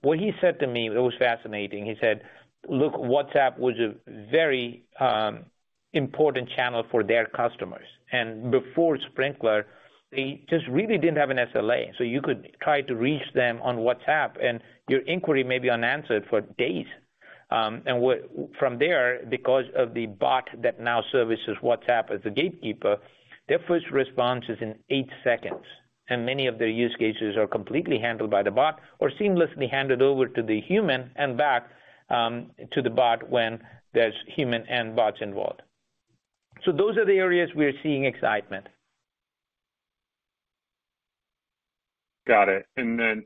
What he said to me, it was fascinating. He said, "Look, WhatsApp was a very important channel for their customers." Before Sprinklr, they just really didn't have an SLA, so you could try to reach them on WhatsApp, and your inquiry may be unanswered for days. From there, because of the bot that now services WhatsApp as a gatekeeper, their first response is in eight seconds, and many of their use cases are completely handled by the bot or seamlessly handed over to the human and back to the bot when there's human and bots involved. Those are the areas we are seeing excitement. Got it.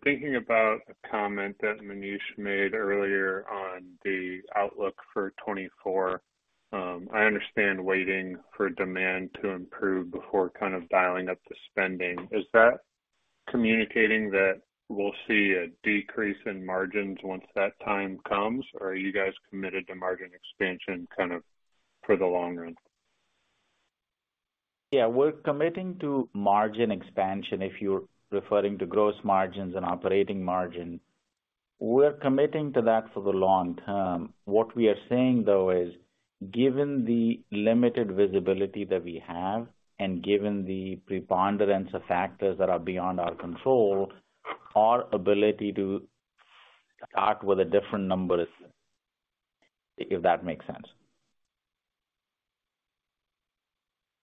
Thinking about a comment that Manish made earlier on the outlook for 2024, I understand waiting for demand to improve before kind of dialing up the spending. Is that communicating that we'll see a decrease in margins once that time comes, or are you guys committed to margin expansion kind of for the long run? Yeah, we're committing to margin expansion, if you're referring to gross margins and operating margin. We're committing to that for the long term. What we are saying, though, is given the limited visibility that we have and given the preponderance of factors that are beyond our control, our ability to start with a different number is If that makes sense.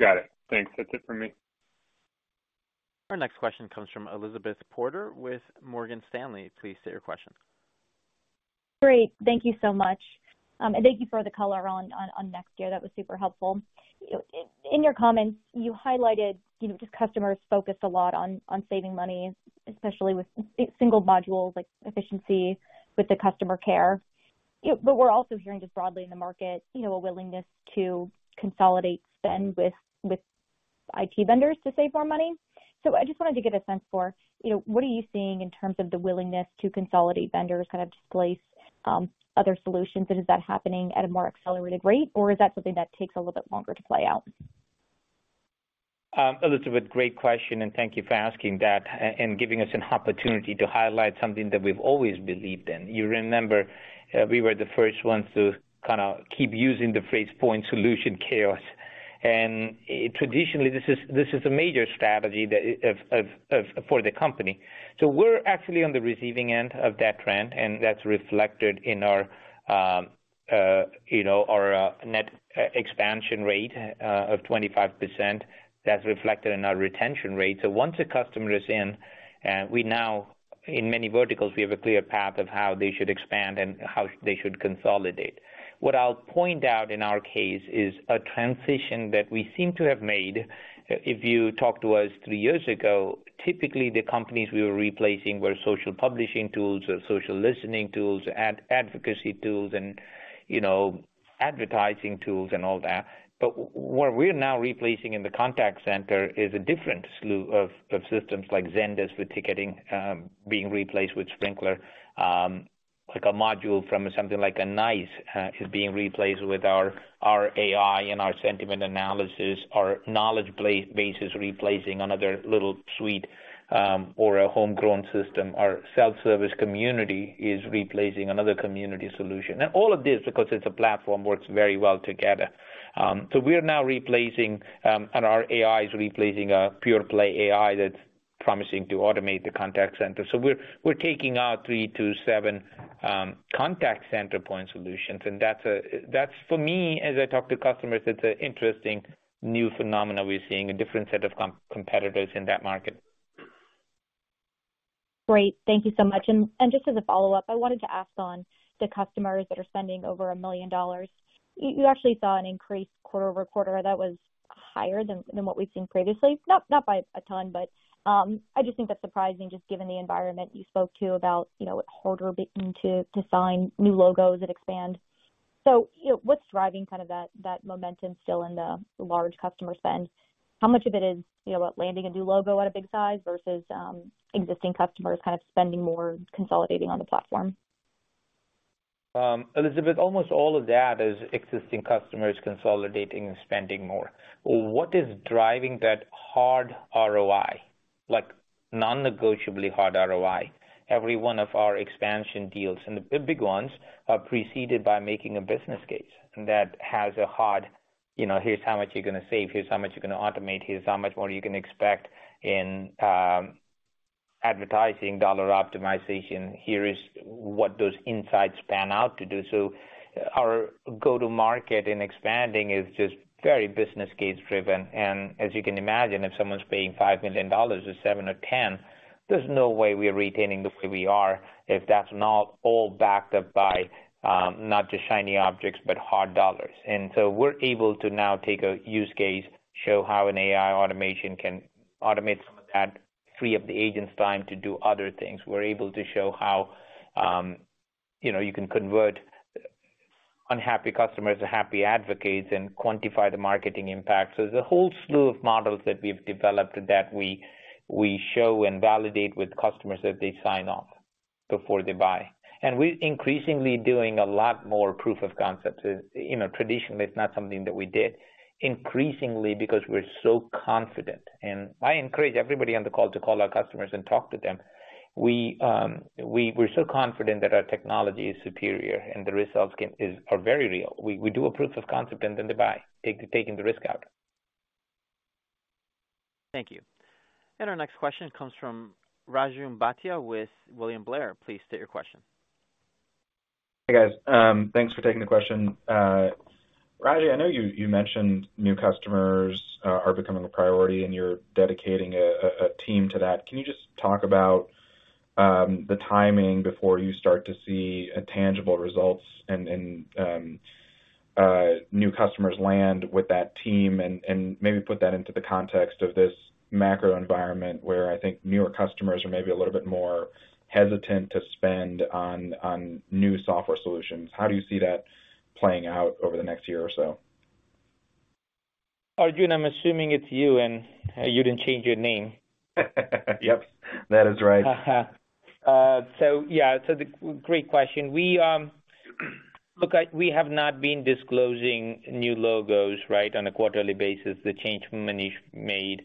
Got it. Thanks. That's it for me. Our next question comes from Elizabeth Porter with Morgan Stanley. Please state your question. Great. Thank you so much. Thank you for the color on next year. That was super helpful. In your comments, you highlighted, you know, just customers focus a lot on saving money, especially with single modules like efficiency with the customer care. We're also hearing just broadly in the market, you know, a willingness to consolidate spend with IT vendors to save more money. I just wanted to get a sense for, you know, what are you seeing in terms of the willingness to consolidate vendors, kind of displace, other solutions? Is that happening at a more accelerated rate, or is that something that takes a little bit longer to play out? Elizabeth, great question, and thank you for asking that and giving us an opportunity to highlight something that we've always believed in. You remember, we were the first ones to kind of keep using the phrase point solution chaos. Traditionally, this is a major strategy that for the company. We're actually on the receiving end of that trend, and that's reflected in our, you know, our Net e-expansion rate of 25%. That's reflected in our retention rate. Once a customer is in, we now, in many verticals, we have a clear path of how they should expand and how they should consolidate. What I'll point out in our case is a transition that we seem to have made. If you talked to us three years ago, typically the companies we were replacing were social publishing tools or social listening tools, ad-advocacy tools, and you know, advertising tools and all that. What we're now replacing in the contact center is a different slew of systems like Zendesk with ticketing, being replaced with Sprinklr, like a module from something like a NICE, is being replaced with our AI and our sentiment analysis, our knowledge basis replacing another little suite, or a homegrown system. Our self-service community is replacing another community solution. All of this, because it's a platform, works very well together. We are now replacing, and our AI is replacing a pure play AI that's promising to automate the contact center. We're taking our three to seven contact center point solutions, and that's for me, as I talk to customers, it's an interesting new phenomena we're seeing, a different set of competitors in that market. Great. Thank you so much. Just as a follow-up, I wanted to ask on the customers that are spending over $1 million, you actually saw an increase quarter-over-quarter that was higher than what we've seen previously. Not by a ton, but I just think that's surprising just given the environment you spoke to about, you know, it's harder beginning to sign new logos and expand. You know, what's driving kind of that momentum still in the large customer spend? How much of it is, you know, about landing a new logo at a big size versus existing customers kind of spending more consolidating on the platform? Elizabeth, almost all of that is existing customers consolidating and spending more. What is driving that hard ROI, like non-negotiably hard ROI? Every one of our expansion deals, and the big ones, are preceded by making a business case that has a hard, you know, here's how much you're gonna save, here's how much you're gonna automate, here's how much more you can expect in, advertising dollar optimization. Here is what those insights pan out to do. Our go-to-market and expanding is just very business case driven. As you can imagine, if someone's paying $5 million or $7 million or $10 million, there's no way we're retaining the way we are if that's not all backed up by, not just shiny objects, but hard dollars. We're able to now take a use case, show how an AI automation can automate some of that, free up the agent's time to do other things. We're able to show how, you know, you can convert unhappy customers to happy advocates and quantify the marketing impact. There's a whole slew of models that we've developed that we show and validate with customers that they sign off before they buy. We're increasingly doing a lot more proof of concept. You know, traditionally, it's not something that we did. Increasingly because we're so confident, and I encourage everybody on the call to call our customers and talk to them. We, we're so confident that our technology is superior and the results are very real. We do a proof of concept and then they buy, taking the risk out. Thank you. Our next question comes from Arjun Bhatia with William Blair. Please state your question. Hey, guys. Thanks for taking the question. Ragy, I know you mentioned new customers are becoming a priority and you're dedicating a team to that. Can you just talk about the timing before you start to see tangible results and new customers land with that team and maybe put that into the context of this macro environment where I think newer customers are maybe a little bit more hesitant to spend on new software solutions. How do you see that playing out over the next year or so? Arjun, I'm assuming it's you and you didn't change your name. Yep, that is right. Yeah, great question. We, look, we have not been disclosing new logos, right, on a quarterly basis, the change Manish made.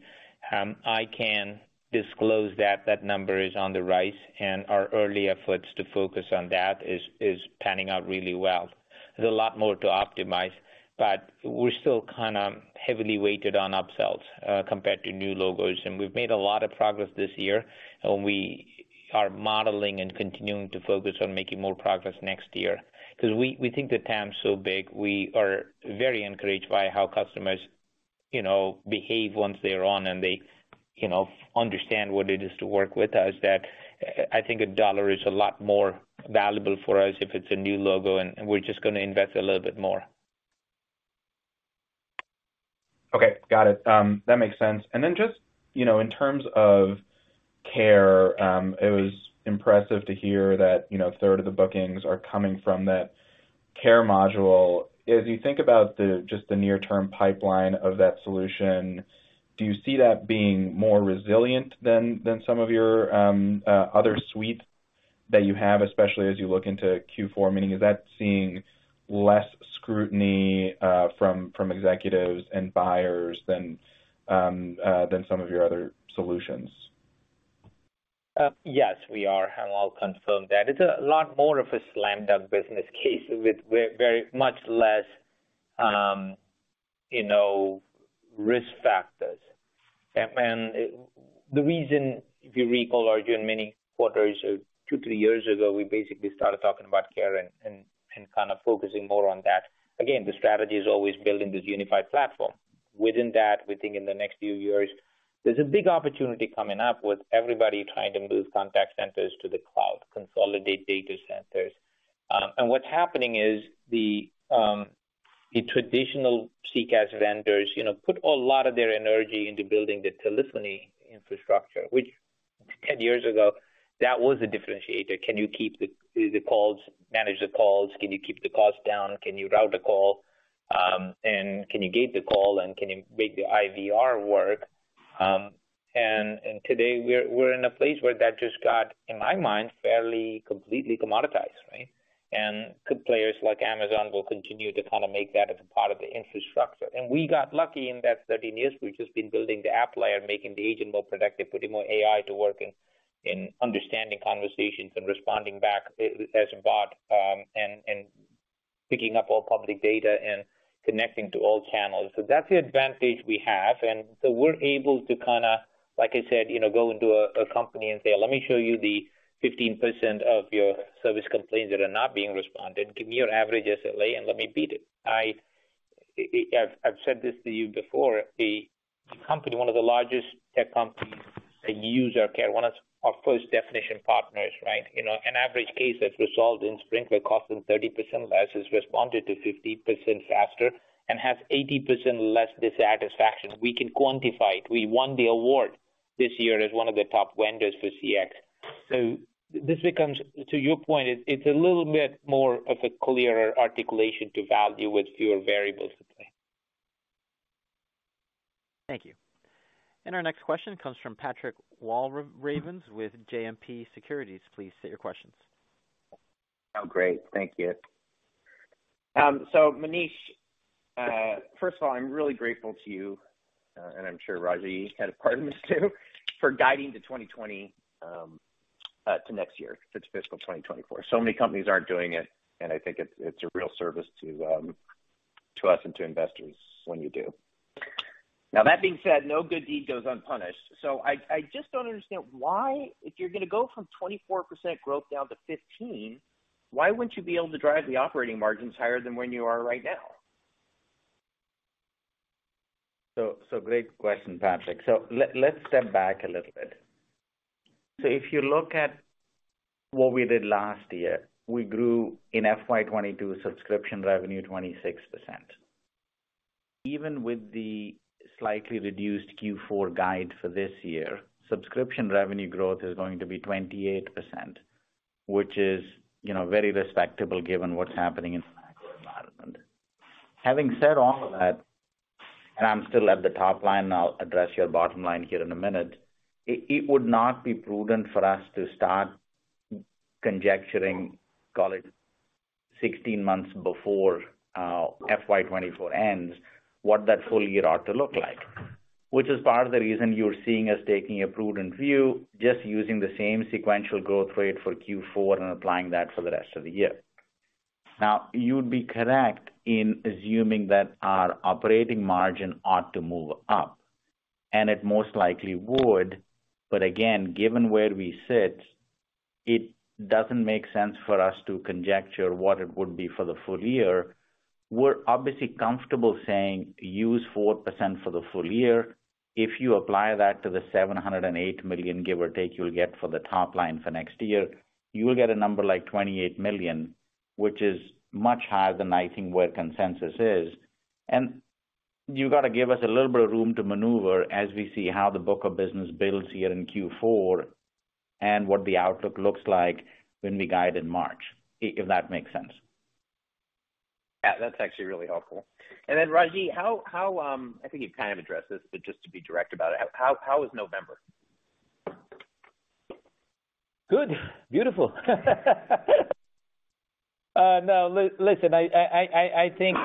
I can disclose that that number is on the rise, and our early efforts to focus on that is panning out really well. There's a lot more to optimize, but we're still kinda heavily weighted on upsells, compared to new logos. We've made a lot of progress this year, and we are modeling and continuing to focus on making more progress next year. 'Cause we think the TAM's so big, we are very encouraged by how customers, you know, behave once they're on and they, you know, understand what it is to work with us, that I think a dollar is a lot more valuable for us if it's a new logo, and we're just gonna invest a little bit more. Okay. Got it. That makes sense. Just, you know, in terms of Care, it was impressive to hear that, you know, a third of the bookings are coming from that Care module. As you think about the, just the near term pipeline of that solution, do you see that being more resilient than some of your other suites that you have, especially as you look into Q4? Meaning, is that seeing less scrutiny from executives and buyers than some of your other solutions? Yes, we are, and I'll confirm that. It's a lot more of a slammed down business case with very much less, you know, risk factors. The reason, if you recall, Arjun, many quarters or two, three years ago, we basically started talking about care and kind of focusing more on that. Again, the strategy is always building this unified platform. Within that, we think in the next few years there's a big opportunity coming up with everybody trying to move contact centers to the cloud, consolidate data centers. And what's happening is the traditional CCaaS vendors, you know, put a lot of their energy into building the telephony infrastructure, which 10 years ago, that was a differentiator. Can you keep the calls, manage the calls? Can you keep the costs down? Can you route a call? Can you gate the call, and can you make the IVR work? And today we're in a place where that just got, in my mind, fairly completely commoditized, right? Good players like Amazon will continue to kinda make that as a part of the infrastructure. We got lucky in that 13 years, we've just been building the app layer, making the agent more productive, putting more AI to work in understanding conversations and responding back as a bot, and picking up all public data and connecting to all channels. That's the advantage we have. We're able to kinda, like I said, you know, go into a company and say, "Let me show you the 15% of your service complaints that are not being responded. Give me your average SLA and let me beat it. I've said this to you before. A company, one of the largest tech companies that use our care, one of our first definition partners, right? You know, an average case that's resolved in Sprinklr costs them 30% less, is responded to 50% faster, and has 80% less dissatisfaction. We can quantify it. We won the award this year as one of the top vendors for CX. This becomes, to your point, it's a little bit more of a clearer articulation to value with fewer variables at play. Thank you. Our next question comes from Patrick Walravens with JMP Securities. Please state your questions. Oh, great. Thank you. Manish, first of all, I'm really grateful to you, and I'm sure Ragy had a part in this too for guiding to 2020, to next year, to fiscal 2024. Many companies aren't doing it, and I think it's a real service to us and to investors when you do. Now that being said, no good deed goes unpunished. I just don't understand why if you're gonna go from 24% growth down to 15%, why wouldn't you be able to drive the operating margins higher than where you are right now? Great question, Patrick. Let's step back a little bit. If you look at what we did last year, we grew in FY 2022 subscription revenue 26%. Even with the slightly reduced Q4 guide for this year, subscription revenue growth is going to be 28%, which is, you know, very respectable given what's happening in the macro environment. Having said all of that, and I'm still at the top line, I'll address your bottom line here in a minute. It would not be prudent for us to start conjecturing, call it 16 months before FY 2024 ends, what that full year ought to look like, which is part of the reason you're seeing us taking a prudent view, just using the same sequential growth rate for Q4 and applying that for the rest of the year. You'd be correct in assuming that our operating margin ought to move up, and it most likely would. Given where we sit, it doesn't make sense for us to conjecture what it would be for the full year. We're obviously comfortable saying use 4% for the full year. If you apply that to the $708 million, give or take, you'll get for the top line for next year, you will get a number like $28 million, which is much higher than I think where consensus is. You've got to give us a little bit of room to maneuver as we see how the book of business builds here in Q4 and what the outlook looks like when we guide in March, if that makes sense. Yeah, that's actually really helpful. Ragy, how, I think you've kind of addressed this, but just to be direct about it, how is November? Good. Beautiful. No, listen, I think,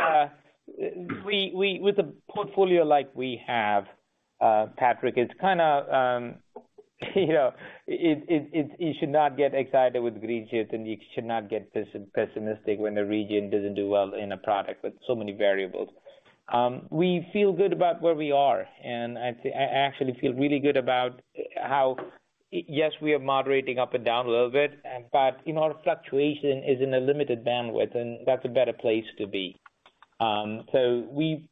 we with a portfolio like we have, Patrick, it's kinda, you know, you should not get excited with green chips, and you should not get pessimistic when the region doesn't do well in a product with so many variables. We feel good about where we are, and I actually feel really good about how, yes, we are moderating up and down a little bit, but, you know, our fluctuation is in a limited bandwidth, and that's a better place to be.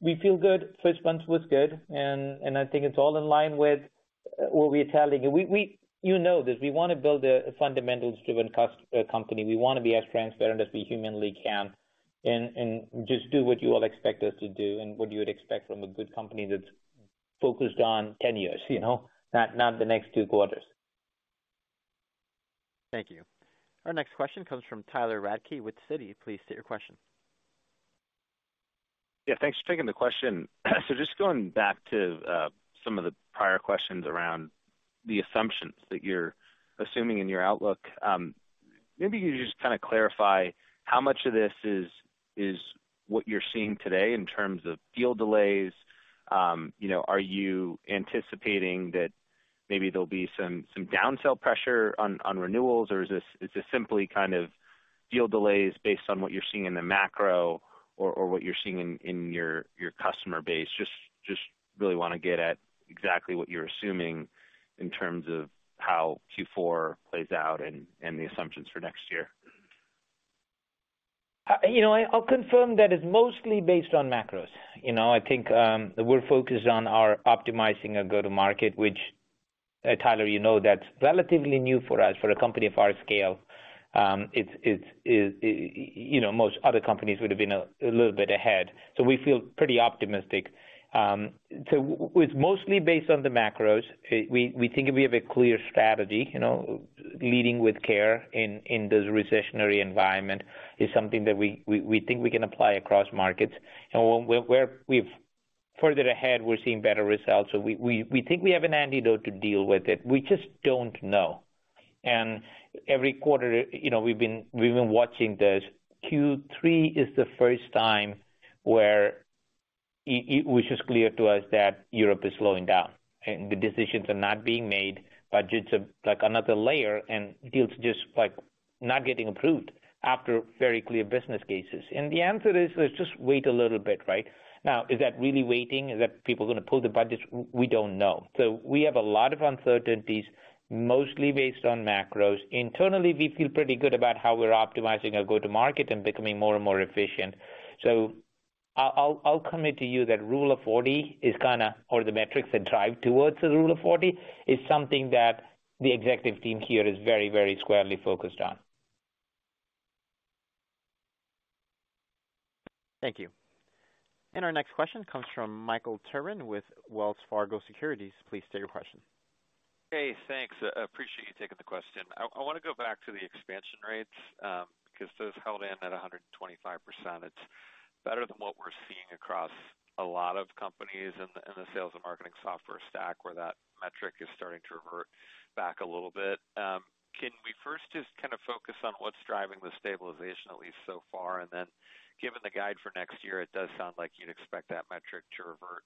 We feel good. First months was good, and I think it's all in line with what we are telling you. We, you know this. We wanna build a fundamentals-driven company. We wanna be as transparent as we humanly can and just do what you all expect us to do and what you would expect from a good company that's focused on 10 years, you know? Not the next two quarters. Thank you. Our next question comes from Tyler Radke with Citi. Please state your question. Yeah, thanks for taking the question. Just going back to some of the prior questions around the assumptions that you're assuming in your outlook, maybe you can just kinda clarify how much of this is what you're seeing today in terms of deal delays. You know, are you anticipating that maybe there'll be some down sell pressure on renewals? Is this simply kind of deal delays based on what you're seeing in the macro or what you're seeing in your customer base? Really wanna get at exactly what you're assuming in terms of how Q4 plays out and the assumptions for next year. You know, I'll confirm that it's mostly based on macros. You know, I think, we're focused on our optimizing our go-to market, which, Tyler, you know that's relatively new for us. For a company of our scale, it's, you know, most other companies would have been a little bit ahead. We feel pretty optimistic. It's mostly based on the macros. We think we have a clear strategy, you know. Leading with care in this recessionary environment is something that we think we can apply across markets. Where we've further ahead, we're seeing better results. We think we have an antidote to deal with it. We just don't know. Every quarter, you know, we've been watching this. Q3 is the first time where it was just clear to us that Europe is slowing down, the decisions are not being made. Budgets are like another layer, deals just, like, not getting approved after very clear business cases. The answer is, let's just wait a little bit, right? Now, is that really waiting? Is that people gonna pull the budgets? We don't know. We have a lot of uncertainties, mostly based on macros. Internally, we feel pretty good about how we're optimizing our go to market and becoming more and more efficient. I'll commit to you that Rule of 40 or the metrics that drive towards the Rule of 40, is something that the executive team here is very, very squarely focused on. Thank you. Our next question comes from Michael Turrin with Wells Fargo Securities. Please state your question. Hey, thanks. Appreciate you taking the question. I want to go back to the expansion rates 'cause those held in at 125%. It's better than what we're seeing across a lot of companies in the sales and marketing software stack, where that metric is starting to revert back a little bit. Can we first just kind of focus on what's driving the stabilization, at least so far? Given the guide for next year, it does sound like you'd expect that metric to revert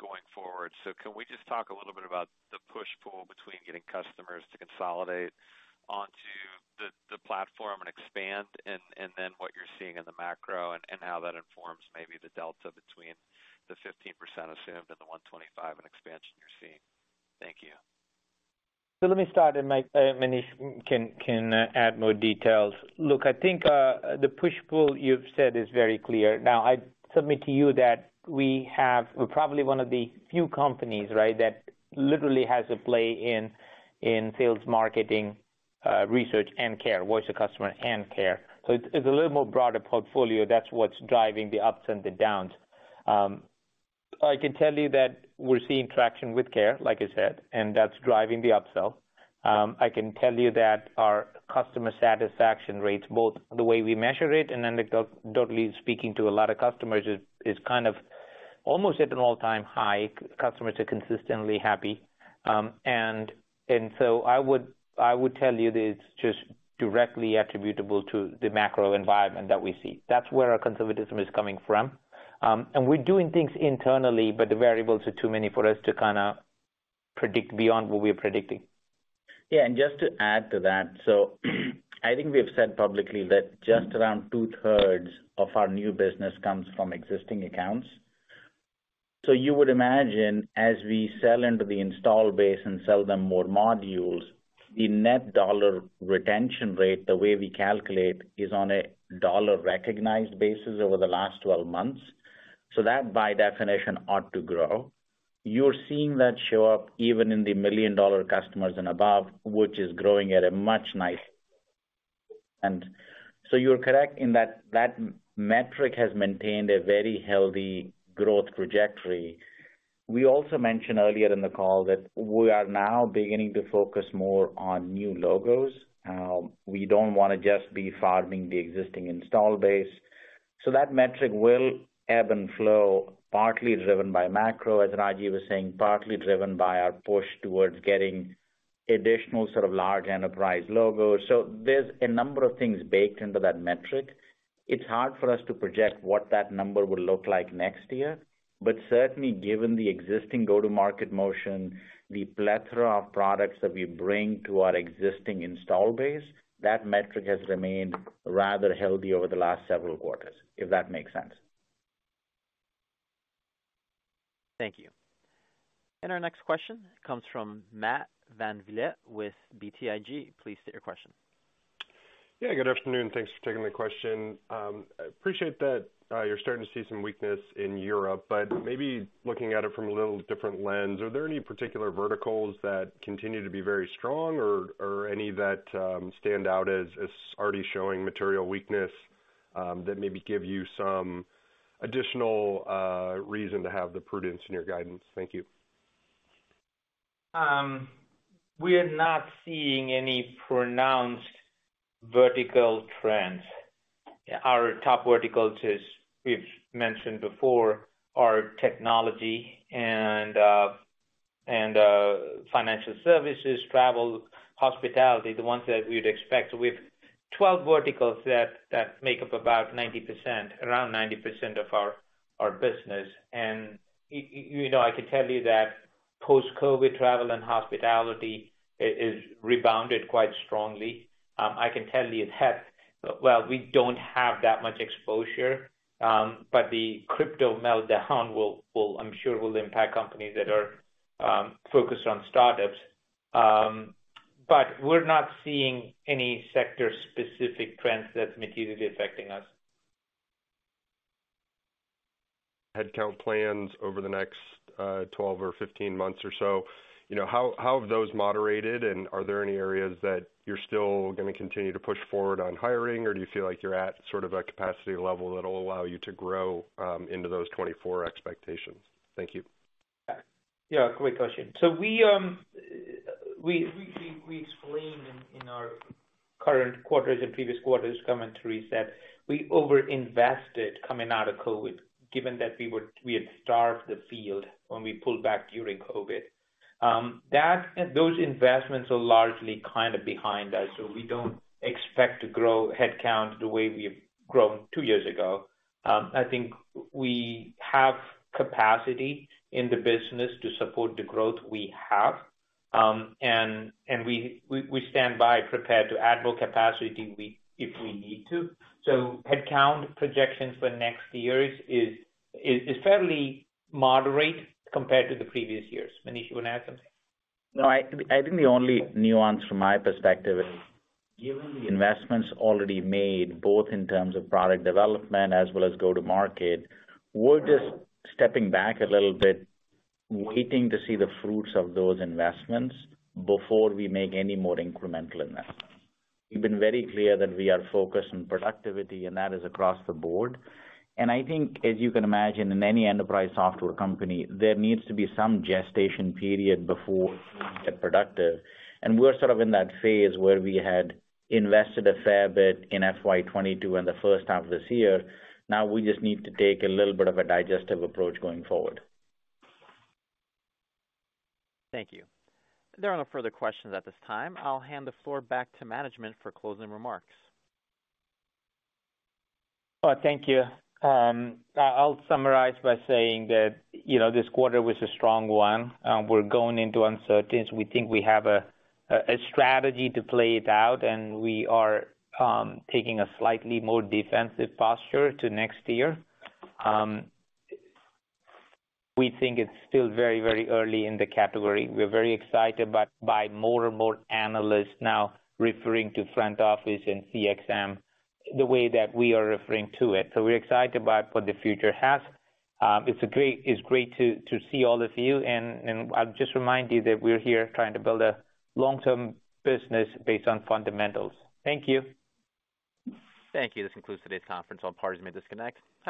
going forward. Can we just talk a little bit about the push-pull between getting customers to consolidate onto the platform and expand and then what you're seeing in the macro and how that informs maybe the delta between the 15% assumed and the 125 in expansion you're seeing. Thank you. Let me start, and Mike, Manish can add more details. Look, I think the push-pull you've said is very clear. Now, I submit to you that we're probably one of the few companies, right, that literally has a play in sales, marketing, research and care, voice of customer and care. It's a little more broader portfolio. That's what's driving the ups and the downs. I can tell you that we're seeing traction with care, like I said, and that's driving the upsell. I can tell you that our customer satisfaction rates, both the way we measure it and anecdotally speaking to a lot of customers is kind of almost at an all-time high. Customers are consistently happy. I would tell you that it's just directly attributable to the macro environment that we see. That's where our conservatism is coming from. We're doing things internally, but the variables are too many for us to kind of predict beyond what we're predicting. Just to add to that, I think we have said publicly that just around 2/3 of our new business comes from existing accounts. You would imagine, as we sell into the install base and sell them more modules, the Net Dollar Expansion Rate, the way we calculate, is on a dollar recognized basis over the last 12 months. That, by definition, ought to grow. You're seeing that show up even in the $1 million-dollar customers and above, which is growing at a much nicer rate. You're correct in that that metric has maintained a very healthy growth trajectory. We also mentioned earlier in the call that we are now beginning to focus more on new logos. We don't wanna just be farming the existing install base. That metric will ebb and flow, partly driven by macro, as Ragy was saying, partly driven by our push towards getting additional sort of large enterprise logos. There's a number of things baked into that metric. It's hard for us to project what that number will look like next year. Certainly, given the existing go-to-market motion, the plethora of products that we bring to our existing install base, that metric has remained rather healthy over the last several quarters, if that makes sense. Thank you. Our next question comes from Matt VanVliet with BTIG. Please state your question. Yeah, good afternoon. Thanks for taking the question. I appreciate that you're starting to see some weakness in Europe, but maybe looking at it from a little different lens, are there any particular verticals that continue to be very strong or any that stand out as already showing material weakness, that maybe give you some additional reason to have the prudence in your guidance? Thank you. We are not seeing any pronounced vertical trends. Our top verticals is, we've mentioned before, are technology and financial services, travel, hospitality, the ones that we'd expect. We have 12 verticals that make up around 90% of our business. You know, I can tell you that post-COVID, travel and hospitality is rebounded quite strongly. I can tell you in health, well, we don't have that much exposure, but the crypto meltdown will impact companies that are focused on startups. We're not seeing any sector-specific trends that's materially affecting us. Headcount plans over the next, 12 or 15 months or so, you know, how have those moderated, and are there any areas that you're still gonna continue to push forward on hiring, or do you feel like you're at sort of a capacity level that'll allow you to grow, into those 2024 expectations? Thank you. Yeah. Great question. We explained in our current quarters and previous quarters commentaries that we over-invested coming out of COVID, given that we had starved the field when we pulled back during COVID. Those investments are largely kind of behind us, so we don't expect to grow headcount the way we've grown two years ago. I think we have capacity in the business to support the growth we have. And we stand by prepared to add more capacity if we need to. Headcount projections for next years is fairly moderate compared to the previous years. Manish, you wanna add something? No, I think the only nuance from my perspective is, given the investments already made, both in terms of product development as well as go-to-market, we're just stepping back a little bit, waiting to see the fruits of those investments before we make any more incremental investments. We've been very clear that we are focused on productivity, and that is across the board. I think, as you can imagine, in any enterprise software company, there needs to be some gestation period before things get productive. We're sort of in that phase where we had invested a fair bit in FY 2022 and the first half of this year. Now we just need to take a little bit of a digestive approach going forward. Thank you. There are no further questions at this time. I'll hand the floor back to management for closing remarks. Thank you. I'll summarize by saying that, you know, this quarter was a strong one. We're going into uncertainties. We think we have a strategy to play it out. We are taking a slightly more defensive posture to next year. We think it's still very early in the category. We're very excited by more and more analysts now referring to front office and CXM the way that we are referring to it. We're excited about what the future has. It's great to see all of you. I'll just remind you that we're here trying to build a long-term business based on fundamentals. Thank you. Thank you. This concludes today's conference. All parties may disconnect.